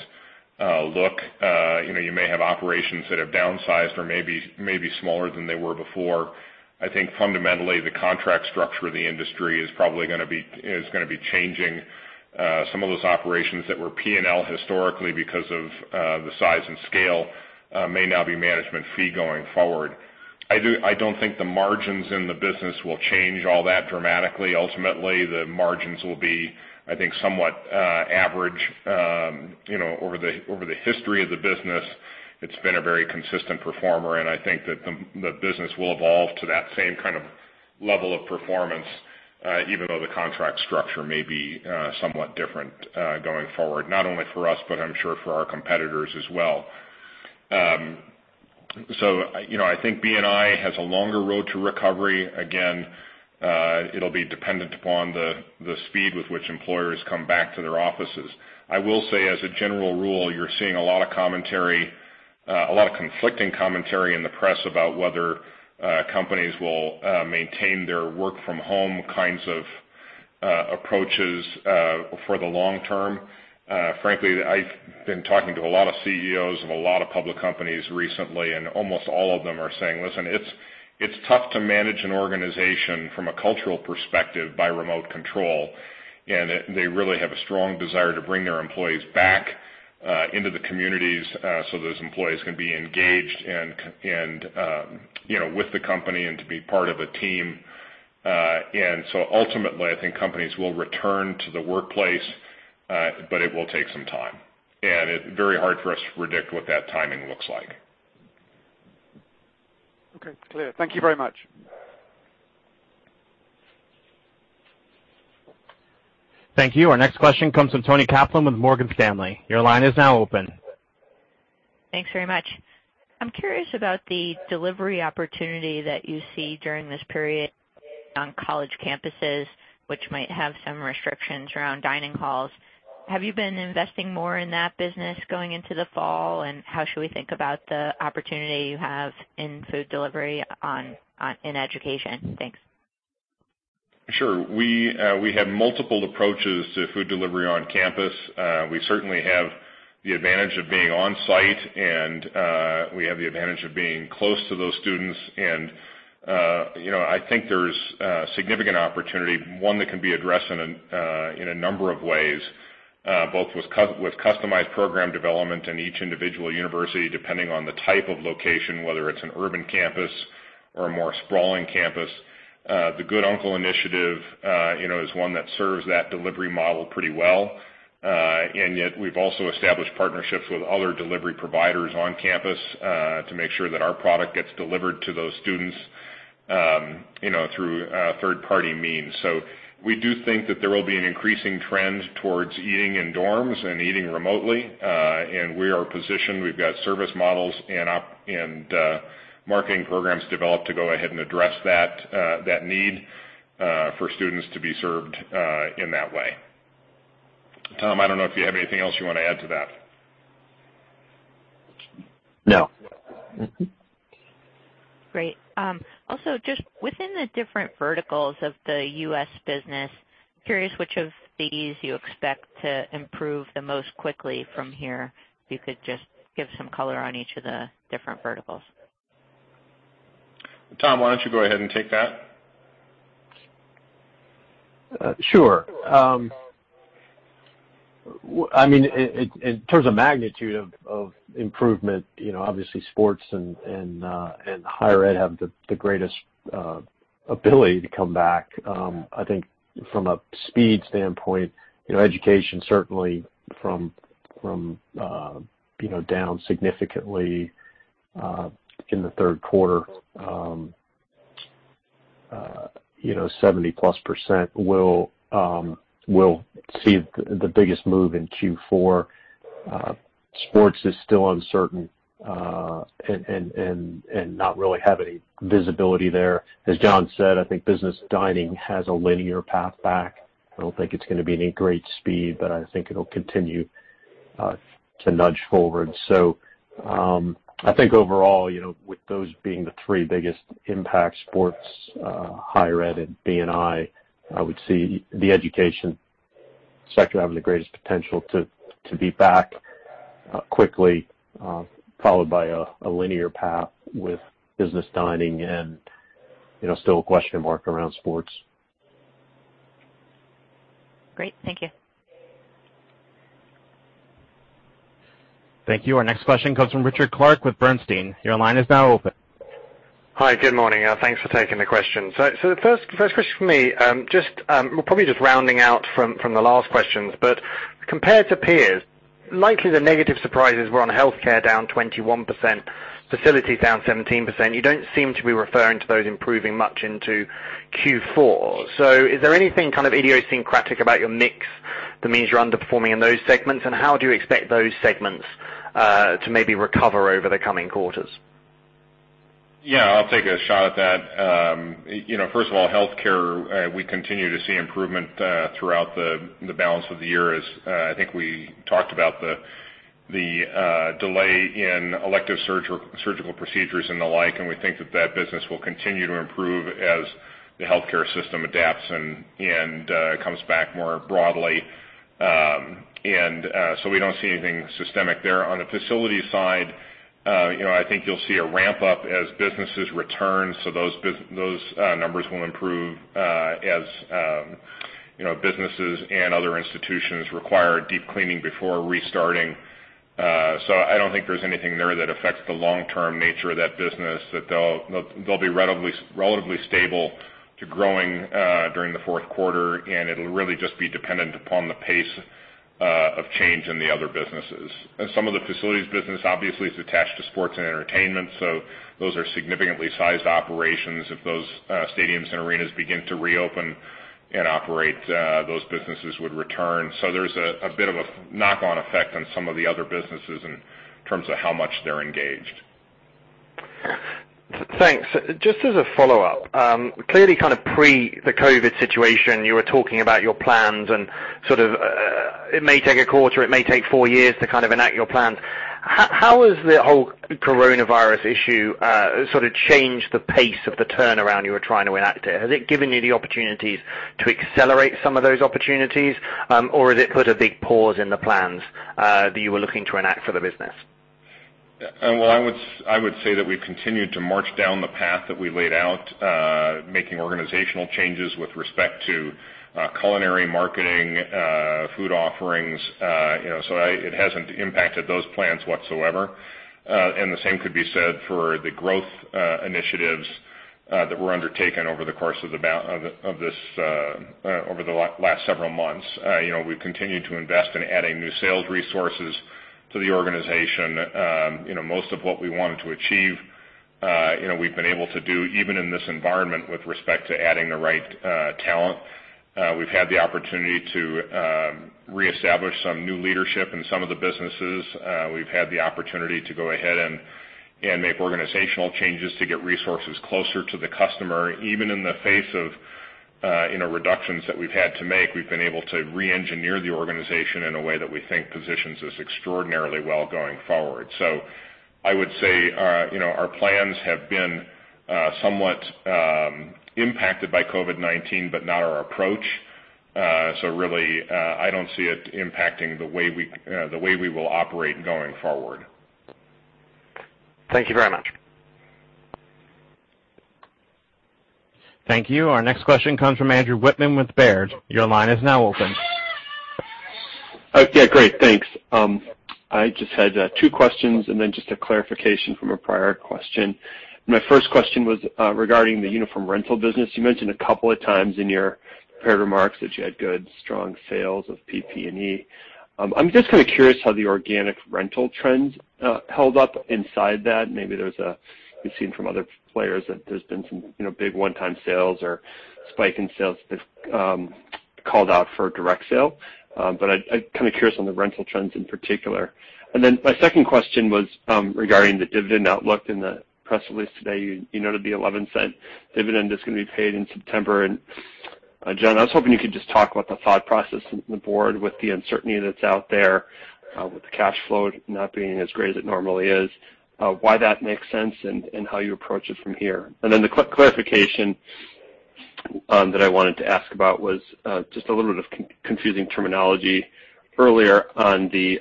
look. You may have operations that have downsized or may be smaller than they were before. I think fundamentally, the contract structure of the industry is probably going to be changing. Some of those operations that were P&L historically because of the size and scale may now be management fee going forward. I don't think the margins in the business will change all that dramatically. Ultimately, the margins will be, I think, somewhat average. Over the history of the business, it's been a very consistent performer, and I think that the business will evolve to that same kind of level of performance, even though the contract structure may be somewhat different going forward, not only for us, but I'm sure for our competitors as well. I think B&I has a longer road to recovery. Again, it'll be dependent upon the speed with which employers come back to their offices. I will say, as a general rule, you're seeing a lot of conflicting commentary in the press about whether companies will maintain their work from home kinds of approaches for the long term. Frankly, I've been talking to a lot of CEOs of a lot of public companies recently, and almost all of them are saying, "Listen, it's tough to manage an organization from a cultural perspective by remote control." They really have a strong desire to bring their employees back into the communities so those employees can be engaged with the company and to be part of a team. Ultimately, I think companies will return to the workplace, but it will take some time, and it's very hard for us to predict what that timing looks like. Okay, clear. Thank you very much. Thank you. Our next question comes from Toni Kaplan with Morgan Stanley. Your line is now open. Thanks very much. I'm curious about the delivery opportunity that you see during this period on college campuses, which might have some restrictions around dining halls. Have you been investing more in that business going into the fall? How should we think about the opportunity you have in food delivery in education? Thanks. Sure. We have multiple approaches to food delivery on campus. We certainly have the advantage of being on site and we have the advantage of being close to those students. I think there's significant opportunity, one that can be addressed in a number of ways, both with customized program development in each individual university, depending on the type of location, whether it's an urban campus or a more sprawling campus. The Good Uncle initiative is one that serves that delivery model pretty well. Yet we've also established partnerships with other delivery providers on campus to make sure that our product gets delivered to those students through third party means. We do think that there will be an increasing trend towards eating in dorms and eating remotely. We are positioned, we've got service models and marketing programs developed to go ahead and address that need for students to be served in that way. Tom, I don't know if you have anything else you want to add to that. No. Great. Also, just within the different verticals of the U.S. business, curious which of these you expect to improve the most quickly from here. If you could just give some color on each of the different verticals. Tom, why don't you go ahead and take that? Sure. In terms of magnitude of improvement, obviously sports and higher ed have the greatest ability to come back. I think from a speed standpoint, education certainly from down significantly in the third quarter, 70%+ will see the biggest move in Q4. Sports is still uncertain and not really have any visibility there. As John said, I think business dining has a linear path back. I don't think it's going to be any great speed, but I think it'll continue to nudge forward. I think overall, with those being the three biggest impacts, sports, higher ed, and B&I would see the education sector having the greatest potential to be back quickly, followed by a linear path with business dining and still a question mark around sports. Great. Thank you. Thank you. Our next question comes from Richard Clarke with Bernstein. Your line is now open. Hi. Good morning. Thanks for taking the question. The first question from me, probably just rounding out from the last questions, but compared to peers, likely the negative surprises were on healthcare down 21%, facilities down 17%. You don't seem to be referring to those improving much into Q4. Is there anything kind of idiosyncratic about your mix that means you're underperforming in those segments, and how do you expect those segments to maybe recover over the coming quarters? I'll take a shot at that. First of all, healthcare, we continue to see improvement throughout the balance of the year as I think we talked about the delay in elective surgical procedures and the like, and we think that that business will continue to improve as the healthcare system adapts and comes back more broadly. We don't see anything systemic there. On the facilities side, I think you'll see a ramp-up as businesses return. Those numbers will improve as businesses and other institutions require deep cleaning before restarting. I don't think there's anything there that affects the long-term nature of that business, that they'll be relatively stable to growing during the fourth quarter, and it'll really just be dependent upon the pace of change in the other businesses. Some of the facilities business obviously is attached to sports and entertainment, so those are significantly sized operations. If those stadiums and arenas begin to reopen and operate, those businesses would return. There's a bit of a knock-on effect on some of the other businesses in terms of how much they're engaged. Thanks. Just as a follow-up. Clearly pre the COVID situation, you were talking about your plans and it may take a quarter, it may take four years to enact your plans. How has the whole coronavirus issue changed the pace of the turnaround you were trying to enact here? Has it given you the opportunities to accelerate some of those opportunities? Has it put a big pause in the plans that you were looking to enact for the business? Well, I would say that we've continued to march down the path that we laid out, making organizational changes with respect to culinary marketing, food offerings, so it hasn't impacted those plans whatsoever. The same could be said for the growth initiatives that were undertaken over the course of the last several months. We've continued to invest in adding new sales resources to the organization. Most of what we wanted to achieve we've been able to do, even in this environment with respect to adding the right talent. We've had the opportunity to reestablish some new leadership in some of the businesses. We've had the opportunity to go ahead and make organizational changes to get resources closer to the customer. Even in the face of reductions that we've had to make, we've been able to re-engineer the organization in a way that we think positions us extraordinarily well going forward. I would say our plans have been somewhat impacted by COVID-19, but not our approach. Really, I don't see it impacting the way we will operate going forward. Thank you very much. Thank you. Our next question comes from Andrew Wittmann with Baird. Your line is now open. Okay, great. Thanks. I just had two questions and then just a clarification from a prior question. My first question was regarding the uniform rental business. You mentioned a couple of times in your prepared remarks that you had good, strong sales of PPE. I'm just kind of curious how the organic rental trends held up inside that. Maybe we've seen from other players that there's been some big one-time sales or spike in sales that called out for direct sale. I'm kind of curious on the rental trends in particular. My second question was regarding the dividend outlook. In the press release today, you noted the $0.11 dividend that's going to be paid in September. John, I was hoping you could just talk about the thought process in the Board with the uncertainty that's out there, with the cash flow not being as great as it normally is, why that makes sense and how you approach it from here? The clarification that I wanted to ask about was just a little bit of confusing terminology earlier on the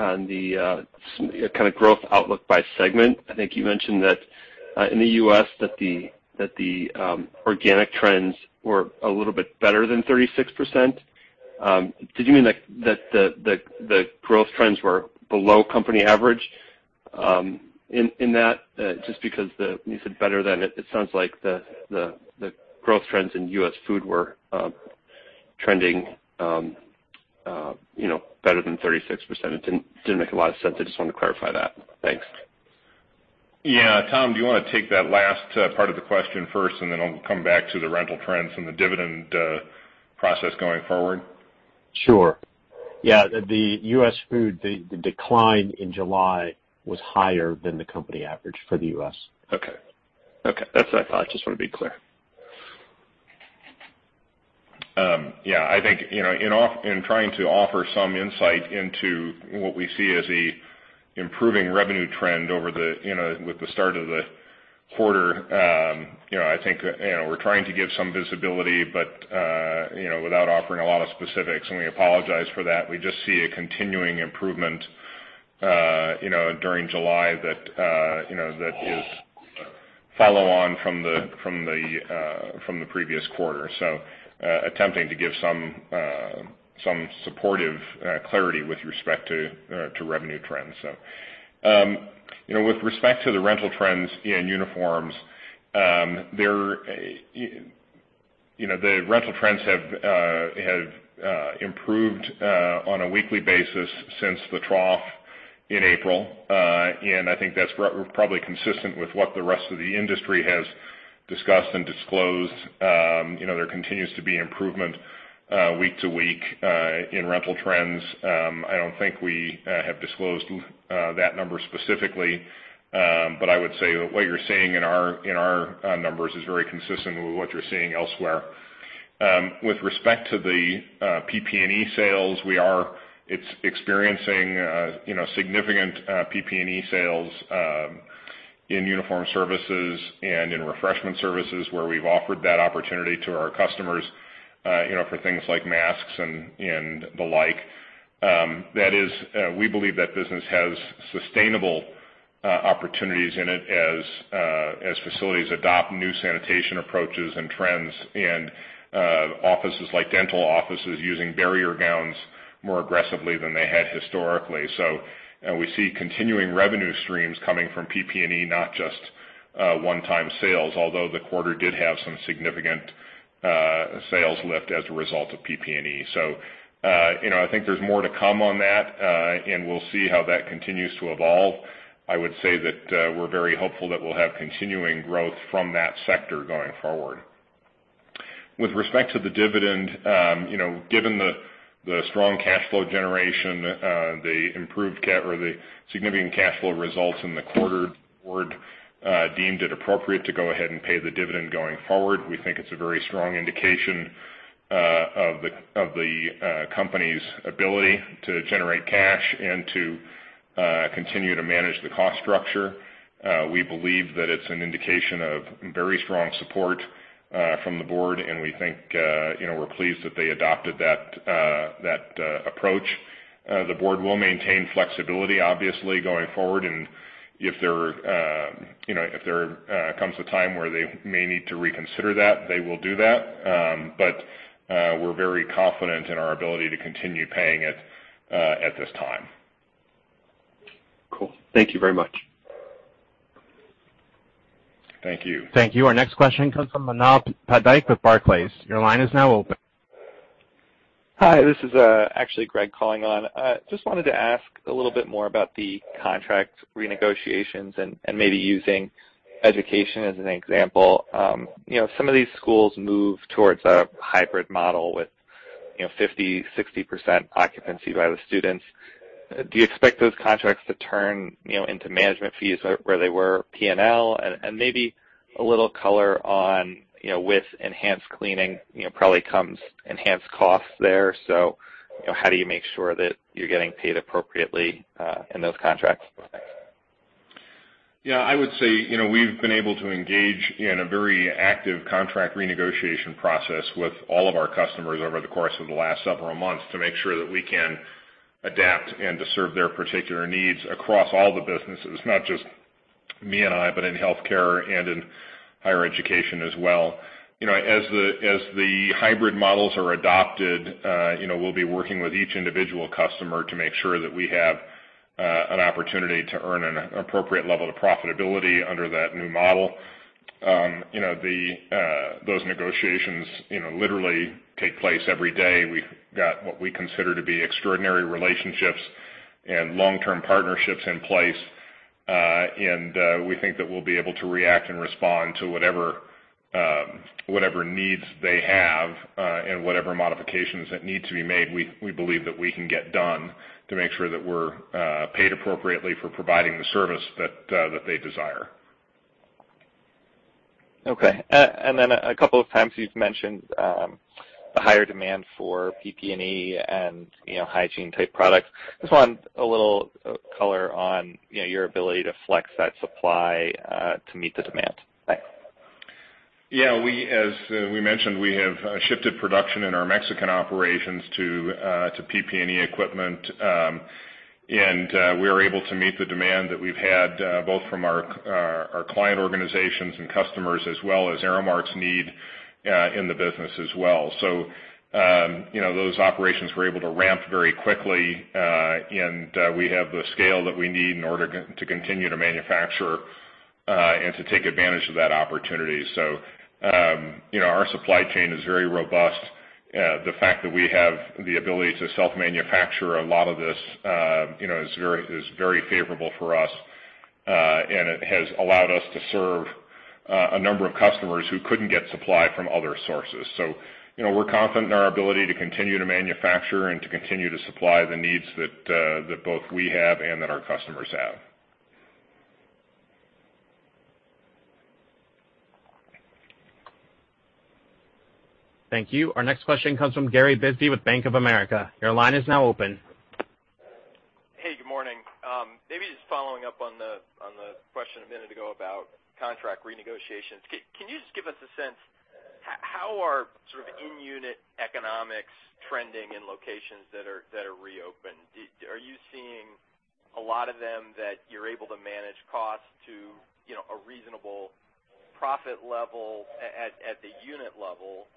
kind of growth outlook by segment. I think you mentioned that in the U.S. that the organic trends were a little bit better than 36%. Did you mean that the growth trends were below company average in that? Just because you said better than, it sounds like the growth trends in US Food were trending better than 36%. It didn't make a lot of sense. I just wanted to clarify that. Thanks. Yeah. Tom, do you want to take that last part of the question first, and then I'll come back to the rental trends and the dividend process going forward? Sure. Yeah, the US Food, the decline in July was higher than the company average for the U.S. Okay. That's what I thought. Just want to be clear. I think in trying to offer some insight into what we see as a improving revenue trend with the start of the quarter, I think we're trying to give some visibility, but without offering a lot of specifics, and we apologize for that. We just see a continuing improvement during July that is follow-on from the previous quarter. Attempting to give some supportive clarity with respect to revenue trends. With respect to the rental trends in uniforms, the rental trends have improved on a weekly basis since the trough in April. I think that's probably consistent with what the rest of the industry has discussed and disclosed. There continues to be improvement week to week in rental trends. I don't think we have disclosed that number specifically. I would say what you're seeing in our numbers is very consistent with what you're seeing elsewhere. With respect to the PPE sales, we are experiencing significant PPE sales in uniform services and in refreshment services, where we've offered that opportunity to our customers for things like masks and the like. We believe that business has sustainable opportunities in it as facilities adopt new sanitation approaches and trends, and offices like dental offices using barrier gowns more aggressively than they had historically. We see continuing revenue streams coming from PPE, not just one-time sales, although the quarter did have some significant sales lift as a result of PPE. I think there's more to come on that, and we'll see how that continues to evolve. I would say that we're very hopeful that we'll have continuing growth from that sector going forward. With respect to the dividend, given the strong cash flow generation, the improved or the significant cash flow results in the quarter deemed it appropriate to go ahead and pay the dividend going forward. We think it's a very strong indication of the company's ability to generate cash and to continue to manage the cost structure. We believe that it's an indication of very strong support from the Board, and we're pleased that they adopted that approach. The Board will maintain flexibility, obviously, going forward, and if there comes a time where they may need to reconsider that, they will do that. We're very confident in our ability to continue paying it at this time. Cool. Thank you very much. Thank you. Thank you. Our next question comes from Manav Patnaik with Barclays. Your line is now open. Hi, this is actually Greg calling on. Just wanted to ask a little bit more about the contract renegotiations and maybe using education as an example. Some of these schools move towards a hybrid model with 50%, 60% occupancy by the students. Do you expect those contracts to turn into management fees where they were P&L? Maybe a little color on with enhanced cleaning, probably comes enhanced costs there. How do you make sure that you're getting paid appropriately in those contracts? Thanks. Yeah, I would say, we've been able to engage in a very active contract renegotiation process with all of our customers over the course of the last several months to make sure that we can adapt and to serve their particular needs across all the businesses. Not just B&I, but in healthcare and in higher education as well. As the hybrid models are adopted we'll be working with each individual customer to make sure that we have an opportunity to earn an appropriate level of profitability under that new model. Those negotiations literally take place every day. We've got what we consider to be extraordinary relationships and long-term partnerships in place. We think that we'll be able to react and respond to whatever needs they have, and whatever modifications that need to be made, we believe that we can get done to make sure that we're paid appropriately for providing the service that they desire. Okay. A couple of times you've mentioned the higher demand for PPE and hygiene-type products. Just want a little color on your ability to flex that supply to meet the demand. Thanks. Yeah. As we mentioned, we have shifted production in our Mexican operations to PPE equipment. We are able to meet the demand that we've had both from our client organizations and customers, as well as Aramark's need in the business as well. Those operations were able to ramp very quickly, and we have the scale that we need in order to continue to manufacture, and to take advantage of that opportunity. Our supply chain is very robust. The fact that we have the ability to self-manufacture a lot of this is very favorable for us. It has allowed us to serve a number of customers who couldn't get supply from other sources. We're confident in our ability to continue to manufacture and to continue to supply the needs that both we have and that our customers have. Thank you. Our next question comes from Gary Bisbee with Bank of America. Your line is now open. Hey, good morning. Maybe just following up on the question a minute ago about contract renegotiations. Can you just give us a sense, how are in-unit economics trending in locations that are reopened? Are you seeing a lot of them that you're able to manage costs to a reasonable profit level at the unit level?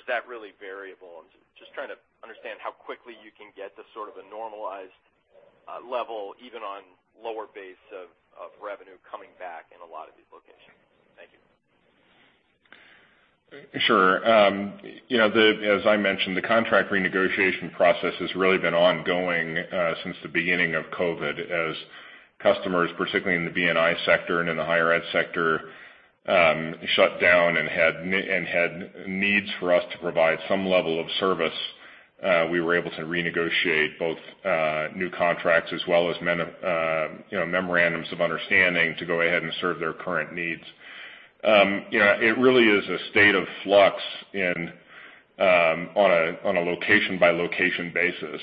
Is that really variable? I'm just trying to understand how quickly you can get to sort of a normalized level, even on lower base of revenue coming back in a lot of these locations. Thank you. Sure. As I mentioned, the contract renegotiation process has really been ongoing since the beginning of COVID, as customers, particularly in the B&I sector and in the higher ed sector, shut down and had needs for us to provide some level of service. We were able to renegotiate both new contracts as well as memorandums of understanding to go ahead and serve their current needs. It really is a state of flux on a location-by-location basis.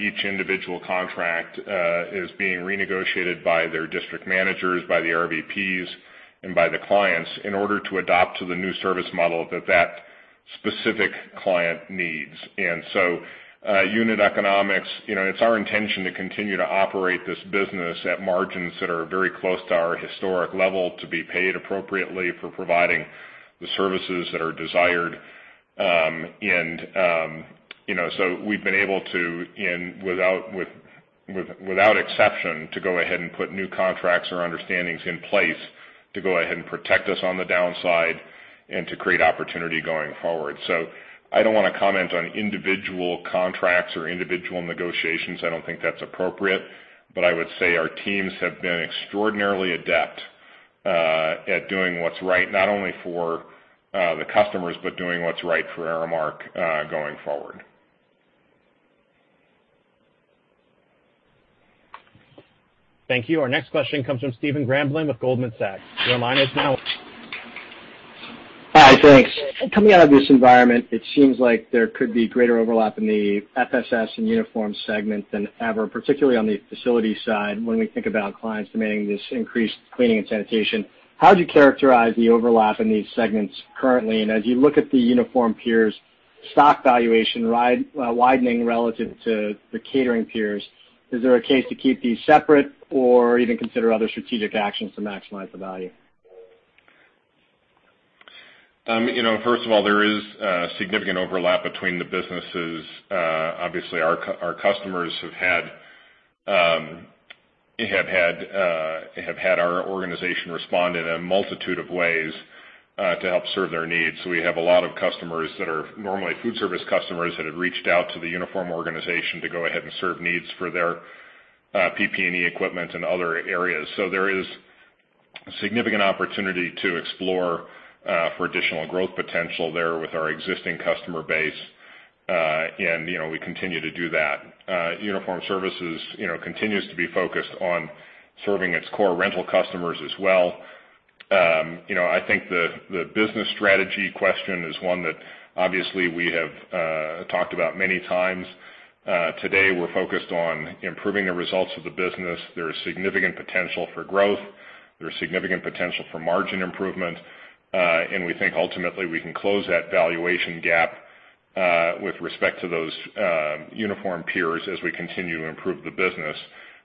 Each individual contract is being renegotiated by their district managers, by the RVPs, and by the clients in order to adapt to the new service model that specific client needs. Unit economics, it's our intention to continue to operate this business at margins that are very close to our historic level, to be paid appropriately for providing the services that are desired. We've been able to, without exception, to go ahead and put new contracts or understandings in place to go ahead and protect us on the downside and to create opportunity going forward. I don't want to comment on individual contracts or individual negotiations. I don't think that's appropriate, but I would say our teams have been extraordinarily adept at doing what's right, not only for the customers, but doing what's right for Aramark going forward. Thank you. Our next question comes from Stephen Grambling with Goldman Sachs. Your line is now open. Hi, thanks. Coming out of this environment, it seems like there could be greater overlap in the FSS and uniform segment than ever, particularly on the facility side when we think about clients demanding this increased cleaning and sanitation. How would you characterize the overlap in these segments currently? As you look at the uniform peers' stock valuation widening relative to the catering peers, is there a case to keep these separate or even consider other strategic actions to maximize the value? First of all, there is significant overlap between the businesses. Obviously, our customers have had our organization respond in a multitude of ways to help serve their needs. We have a lot of customers that are normally food service customers that have reached out to the uniform organization to go ahead and serve needs for their PPE equipment and other areas. There is significant opportunity to explore for additional growth potential there with our existing customer base, and we continue to do that. Uniform services continues to be focused on serving its core rental customers as well. I think the business strategy question is one that obviously we have talked about many times. Today, we're focused on improving the results of the business. There is significant potential for growth. There's significant potential for margin improvement. We think ultimately we can close that valuation gap with respect to those uniform peers as we continue to improve the business,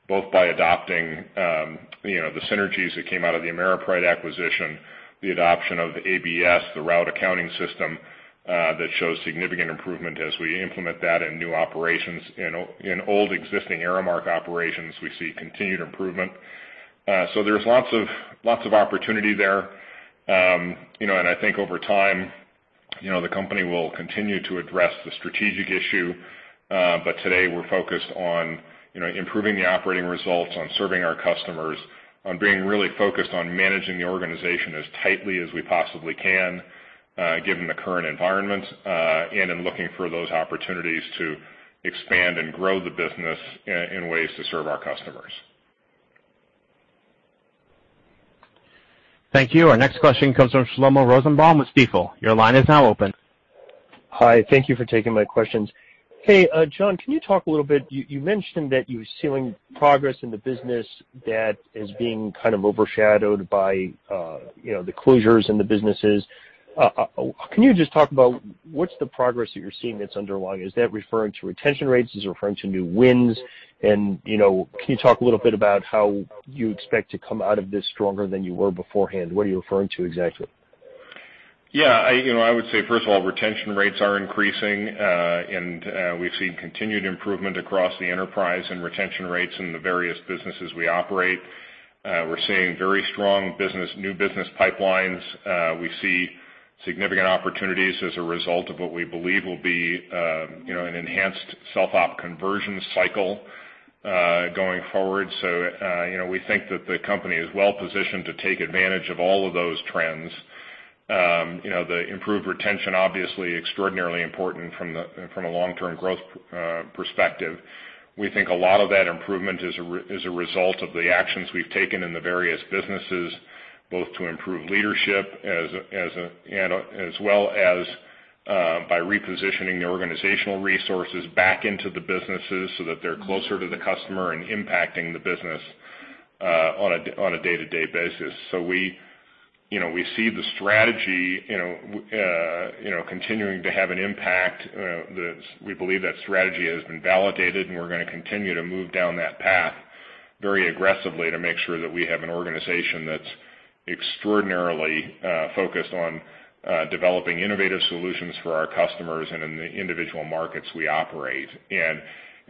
both by adopting the synergies that came out of the AmeriPride acquisition, the adoption of ABS, the route accounting system that shows significant improvement as we implement that in new operations. In old existing Aramark operations, we see continued improvement. There's lots of opportunity there. I think over time, the company will continue to address the strategic issue. Today we're focused on improving the operating results, on serving our customers, on being really focused on managing the organization as tightly as we possibly can given the current environment, and in looking for those opportunities to expand and grow the business in ways to serve our customers. Thank you. Our next question comes from Shlomo Rosenbaum with Stifel. Your line is now open. Hi. Thank you for taking my questions. Hey, John, can you talk a little bit, you mentioned that you were seeing progress in the business that is being kind of overshadowed by the closures in the businesses. Can you just talk about what's the progress that you're seeing that's underlying? Is that referring to retention rates? Is it referring to new wins? Can you talk a little bit about how you expect to come out of this stronger than you were beforehand? What are you referring to exactly? I would say, first of all, retention rates are increasing. We've seen continued improvement across the enterprise and retention rates in the various businesses we operate. We're seeing very strong new business pipelines. We see significant opportunities as a result of what we believe will be an enhanced self-op conversion cycle going forward. We think that the company is well-positioned to take advantage of all of those trends. The improved retention obviously extraordinarily important from a long-term growth perspective. We think a lot of that improvement is a result of the actions we've taken in the various businesses, both to improve leadership as well as by repositioning the organizational resources back into the businesses so that they're closer to the customer and impacting the business on a day-to-day basis. We see the strategy continuing to have an impact. We believe that strategy has been validated, and we're going to continue to move down that path very aggressively to make sure that we have an organization that's extraordinarily focused on developing innovative solutions for our customers and in the individual markets we operate.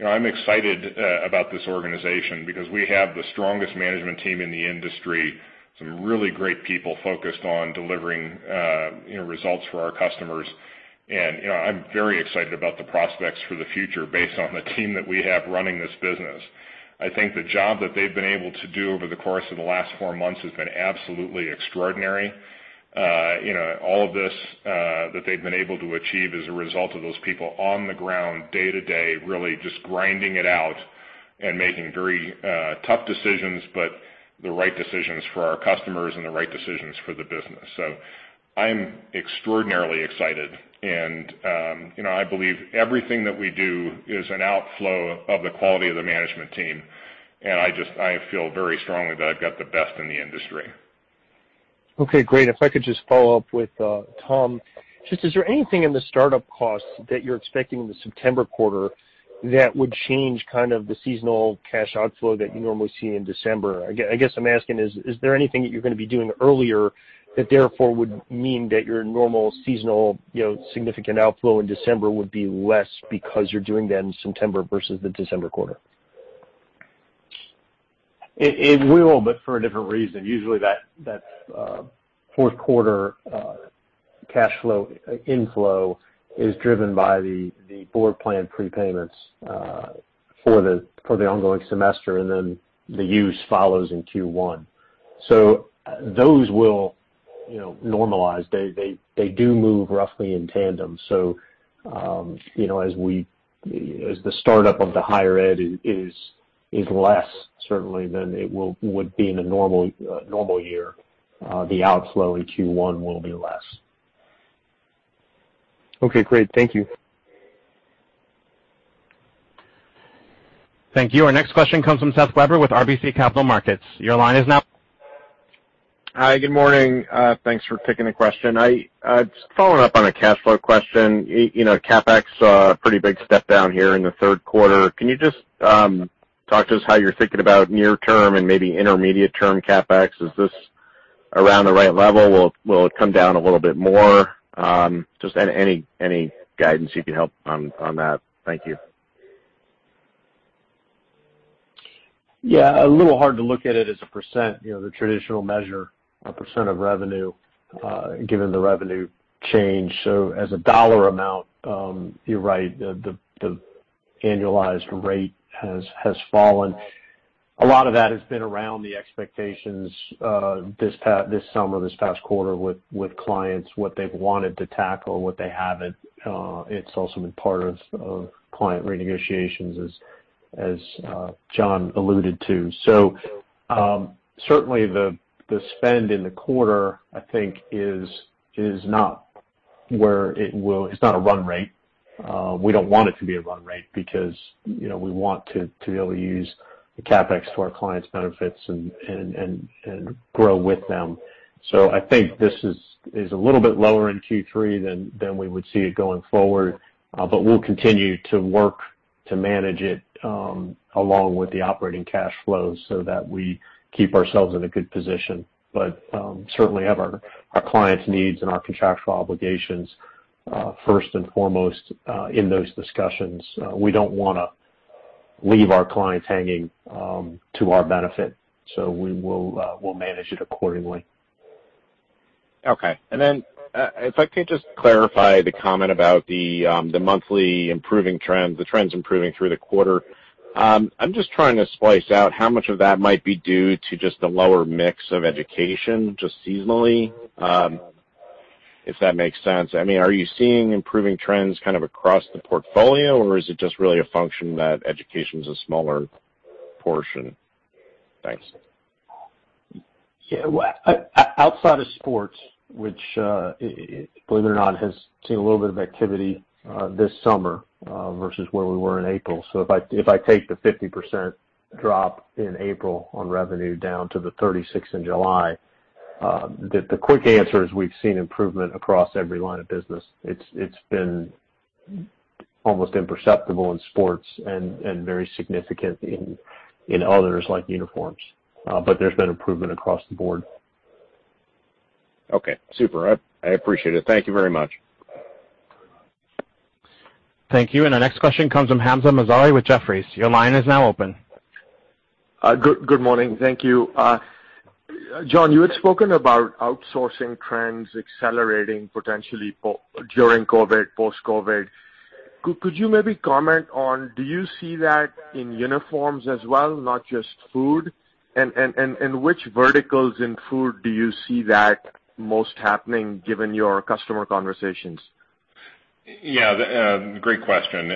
I'm excited about this organization because we have the strongest management team in the industry, some really great people focused on delivering results for our customers. I'm very excited about the prospects for the future based on the team that we have running this business. I think the job that they've been able to do over the course of the last four months has been absolutely extraordinary. All of this that they've been able to achieve is a result of those people on the ground, day-to-day, really just grinding it out and making very tough decisions, but the right decisions for our customers and the right decisions for the business. I'm extraordinarily excited. I believe everything that we do is an outflow of the quality of the management team, and I feel very strongly that I've got the best in the industry. Okay, great. If I could just follow up with Tom. Just, is there anything in the startup costs that you're expecting in the September quarter that would change kind of the seasonal cash outflow that you normally see in December? I guess I'm asking, is there anything that you're going to be doing earlier that therefore would mean that your normal seasonal significant outflow in December would be less because you're doing that in September versus the December quarter? It will, but for a different reason. Usually, that fourth quarter cash flow inflow is driven by the board plan prepayments for the ongoing semester, and then the use follows in Q1. Those will normalize. They do move roughly in tandem. As the startup of the higher ed is less certainly than it would be in a normal year, the outflow in Q1 will be less. Okay, great. Thank you. Thank you. Our next question comes from Seth Weber with RBC Capital Markets. Your line is now. Hi. Good morning. Thanks for taking the question. Just following up on a cash flow question. CapEx saw a pretty big step down here in the third quarter. Can you just talk to us how you're thinking about near term and maybe intermediate term CapEx? Is this around the right level? Will it come down a little bit more? Just any guidance you can help on that. Thank you. Yeah. A little hard to look at it as a percent, the traditional measure, a percent of revenue, given the revenue change. As a dollar amount, you're right, the annualized rate has fallen. A lot of that has been around the expectations this summer, this past quarter with clients, what they've wanted to tackle, what they haven't. It's also been part of client renegotiations as John alluded to. Certainly the spend in the quarter, I think is not a run rate. We don't want it to be a run rate because we want to be able to use the CapEx to our clients' benefits and grow with them. I think this is a little bit lower in Q3 than we would see it going forward. We'll continue to work to manage it, along with the operating cash flows so that we keep ourselves in a good position. Certainly have our clients' needs and our contractual obligations first and foremost, in those discussions. We don't want to leave our clients hanging to our benefit. We'll manage it accordingly. Okay. If I could just clarify the comment about the monthly improving trends, the trends improving through the quarter. I'm just trying to splice out how much of that might be due to just the lower mix of education, just seasonally. If that makes sense. Are you seeing improving trends kind of across the portfolio, or is it just really a function that education's a smaller portion? Thanks. Yeah. Outside of sports, which, believe it or not, has seen a little bit of activity this summer versus where we were in April. If I take the 50% drop in April on revenue down to the 36% in July, the quick answer is we've seen improvement across every line of business. It's been almost imperceptible in sports and very significant in others, like uniforms. There's been improvement across the board. Okay. Super. I appreciate it. Thank you very much. Thank you. Our next question comes from Hamzah Mazari with Jefferies. Your line is now open. Good morning. Thank you. John, you had spoken about outsourcing trends accelerating potentially during COVID, post-COVID. Could you maybe comment on, do you see that in uniforms as well, not just food? Which verticals in food do you see that most happening, given your customer conversations? Yeah. Great question.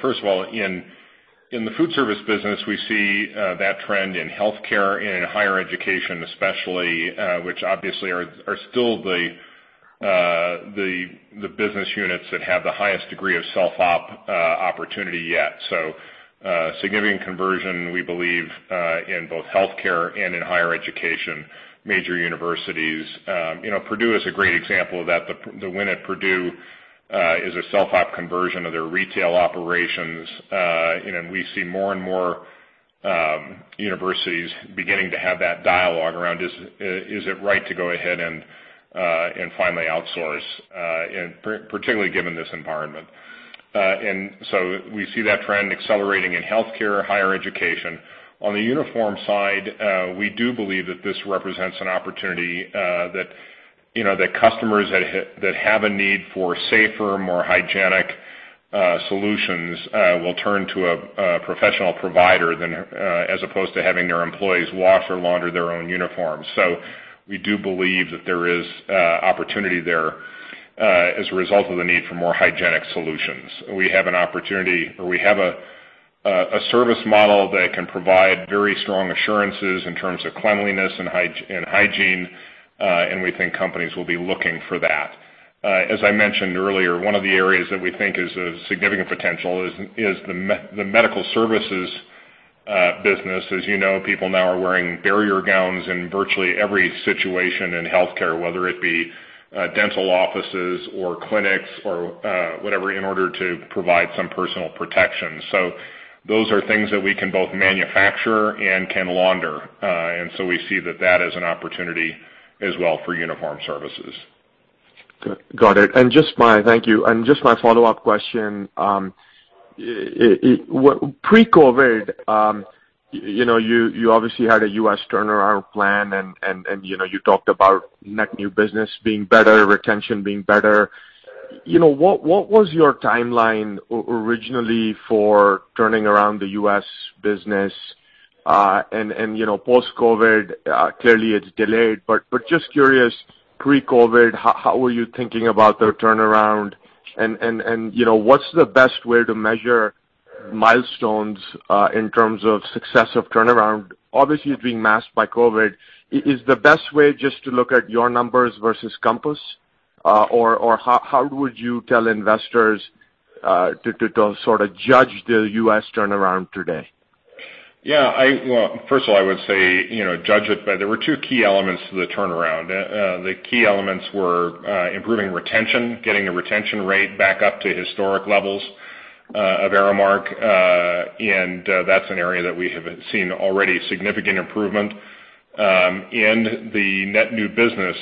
First of all, in the food service business, we see that trend in healthcare, in higher education especially, which obviously are still the business units that have the highest degree of self-op opportunity yet. Significant conversion, we believe, in both healthcare and in higher education, major universities. Purdue is a great example of that. The win at Purdue is a self-op conversion of their retail operations. We see more and more universities beginning to have that dialogue around, is it right to go ahead and finally outsource, and particularly given this environment. We see that trend accelerating in healthcare, higher education. On the uniform side, we do believe that this represents an opportunity that customers that have a need for safer, more hygienic solutions will turn to a professional provider as opposed to having their employees wash or launder their own uniforms. We do believe that there is opportunity there, as a result of the need for more hygienic solutions. We have an opportunity, or we have a service model that can provide very strong assurances in terms of cleanliness and hygiene, and we think companies will be looking for that. As I mentioned earlier, one of the areas that we think is of significant potential is the medical services business. As you know, people now are wearing barrier gowns in virtually every situation in healthcare, whether it be dental offices or clinics or whatever, in order to provide some personal protection. Those are things that we can both manufacture and can launder. We see that that is an opportunity as well for uniform services. Got it. Thank you. Just my follow-up question. Pre-COVID, you obviously had a U.S. turnaround plan, and you talked about net new business being better, retention being better. What was your timeline originally for turning around the U.S. business? Post-COVID, clearly it's delayed, but just curious, pre-COVID, how were you thinking about the turnaround, and what's the best way to measure milestones, in terms of success of turnaround? Obviously, it's being masked by COVID. Is the best way just to look at your numbers versus Compass? How would you tell investors to sort of judge the U.S. turnaround today? First of all, I would say, there were two key elements to the turnaround. The key elements were improving retention, getting the retention rate back up to historic levels of Aramark. That's an area that we have seen already significant improvement. The net new business,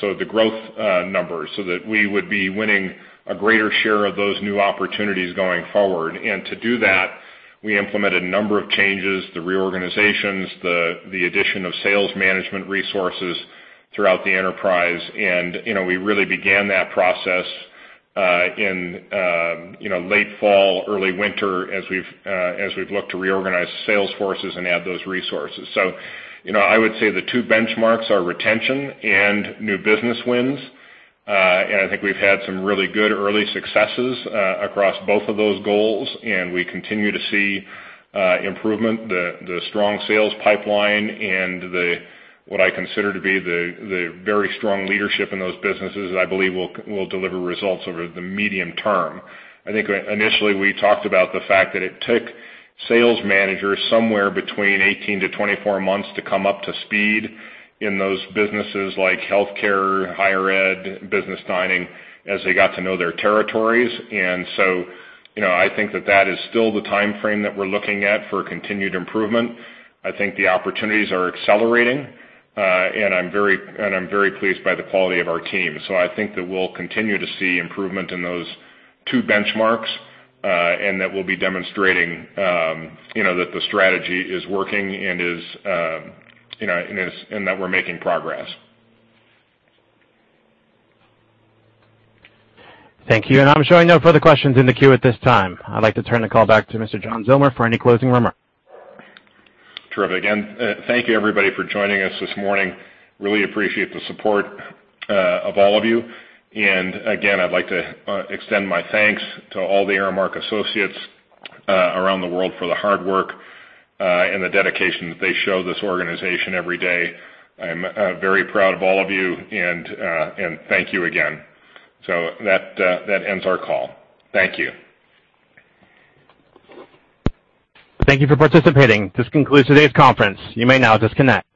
so the growth numbers, so that we would be winning a greater share of those new opportunities going forward. To do that, we implemented a number of changes, the reorganizations, the addition of sales management resources throughout the enterprise. We really began that process in late fall, early winter, as we've looked to reorganize sales forces and add those resources. I would say the two benchmarks are retention and new business wins. I think we've had some really good early successes across both of those goals, and we continue to see improvement. The strong sales pipeline and what I consider to be the very strong leadership in those businesses, I believe will deliver results over the medium term. I think initially we talked about the fact that it took sales managers somewhere between 18-24 months to come up to speed in those businesses like healthcare, higher ed, business dining, as they got to know their territories. I think that that is still the timeframe that we're looking at for continued improvement. I think the opportunities are accelerating, and I'm very pleased by the quality of our team. I think that we'll continue to see improvement in those two benchmarks, and that we'll be demonstrating that the strategy is working, and that we're making progress. Thank you. I'm showing no further questions in the queue at this time. I'd like to turn the call back to Mr. John Zillmer for any closing remarks. Terrific. Thank you everybody for joining us this morning. Really appreciate the support of all of you. Again, I'd like to extend my thanks to all the Aramark associates around the world for the hard work and the dedication that they show this organization every day. I'm very proud of all of you, and thank you again. That ends our call. Thank you. Thank you for participating. This concludes today's conference. You may now disconnect.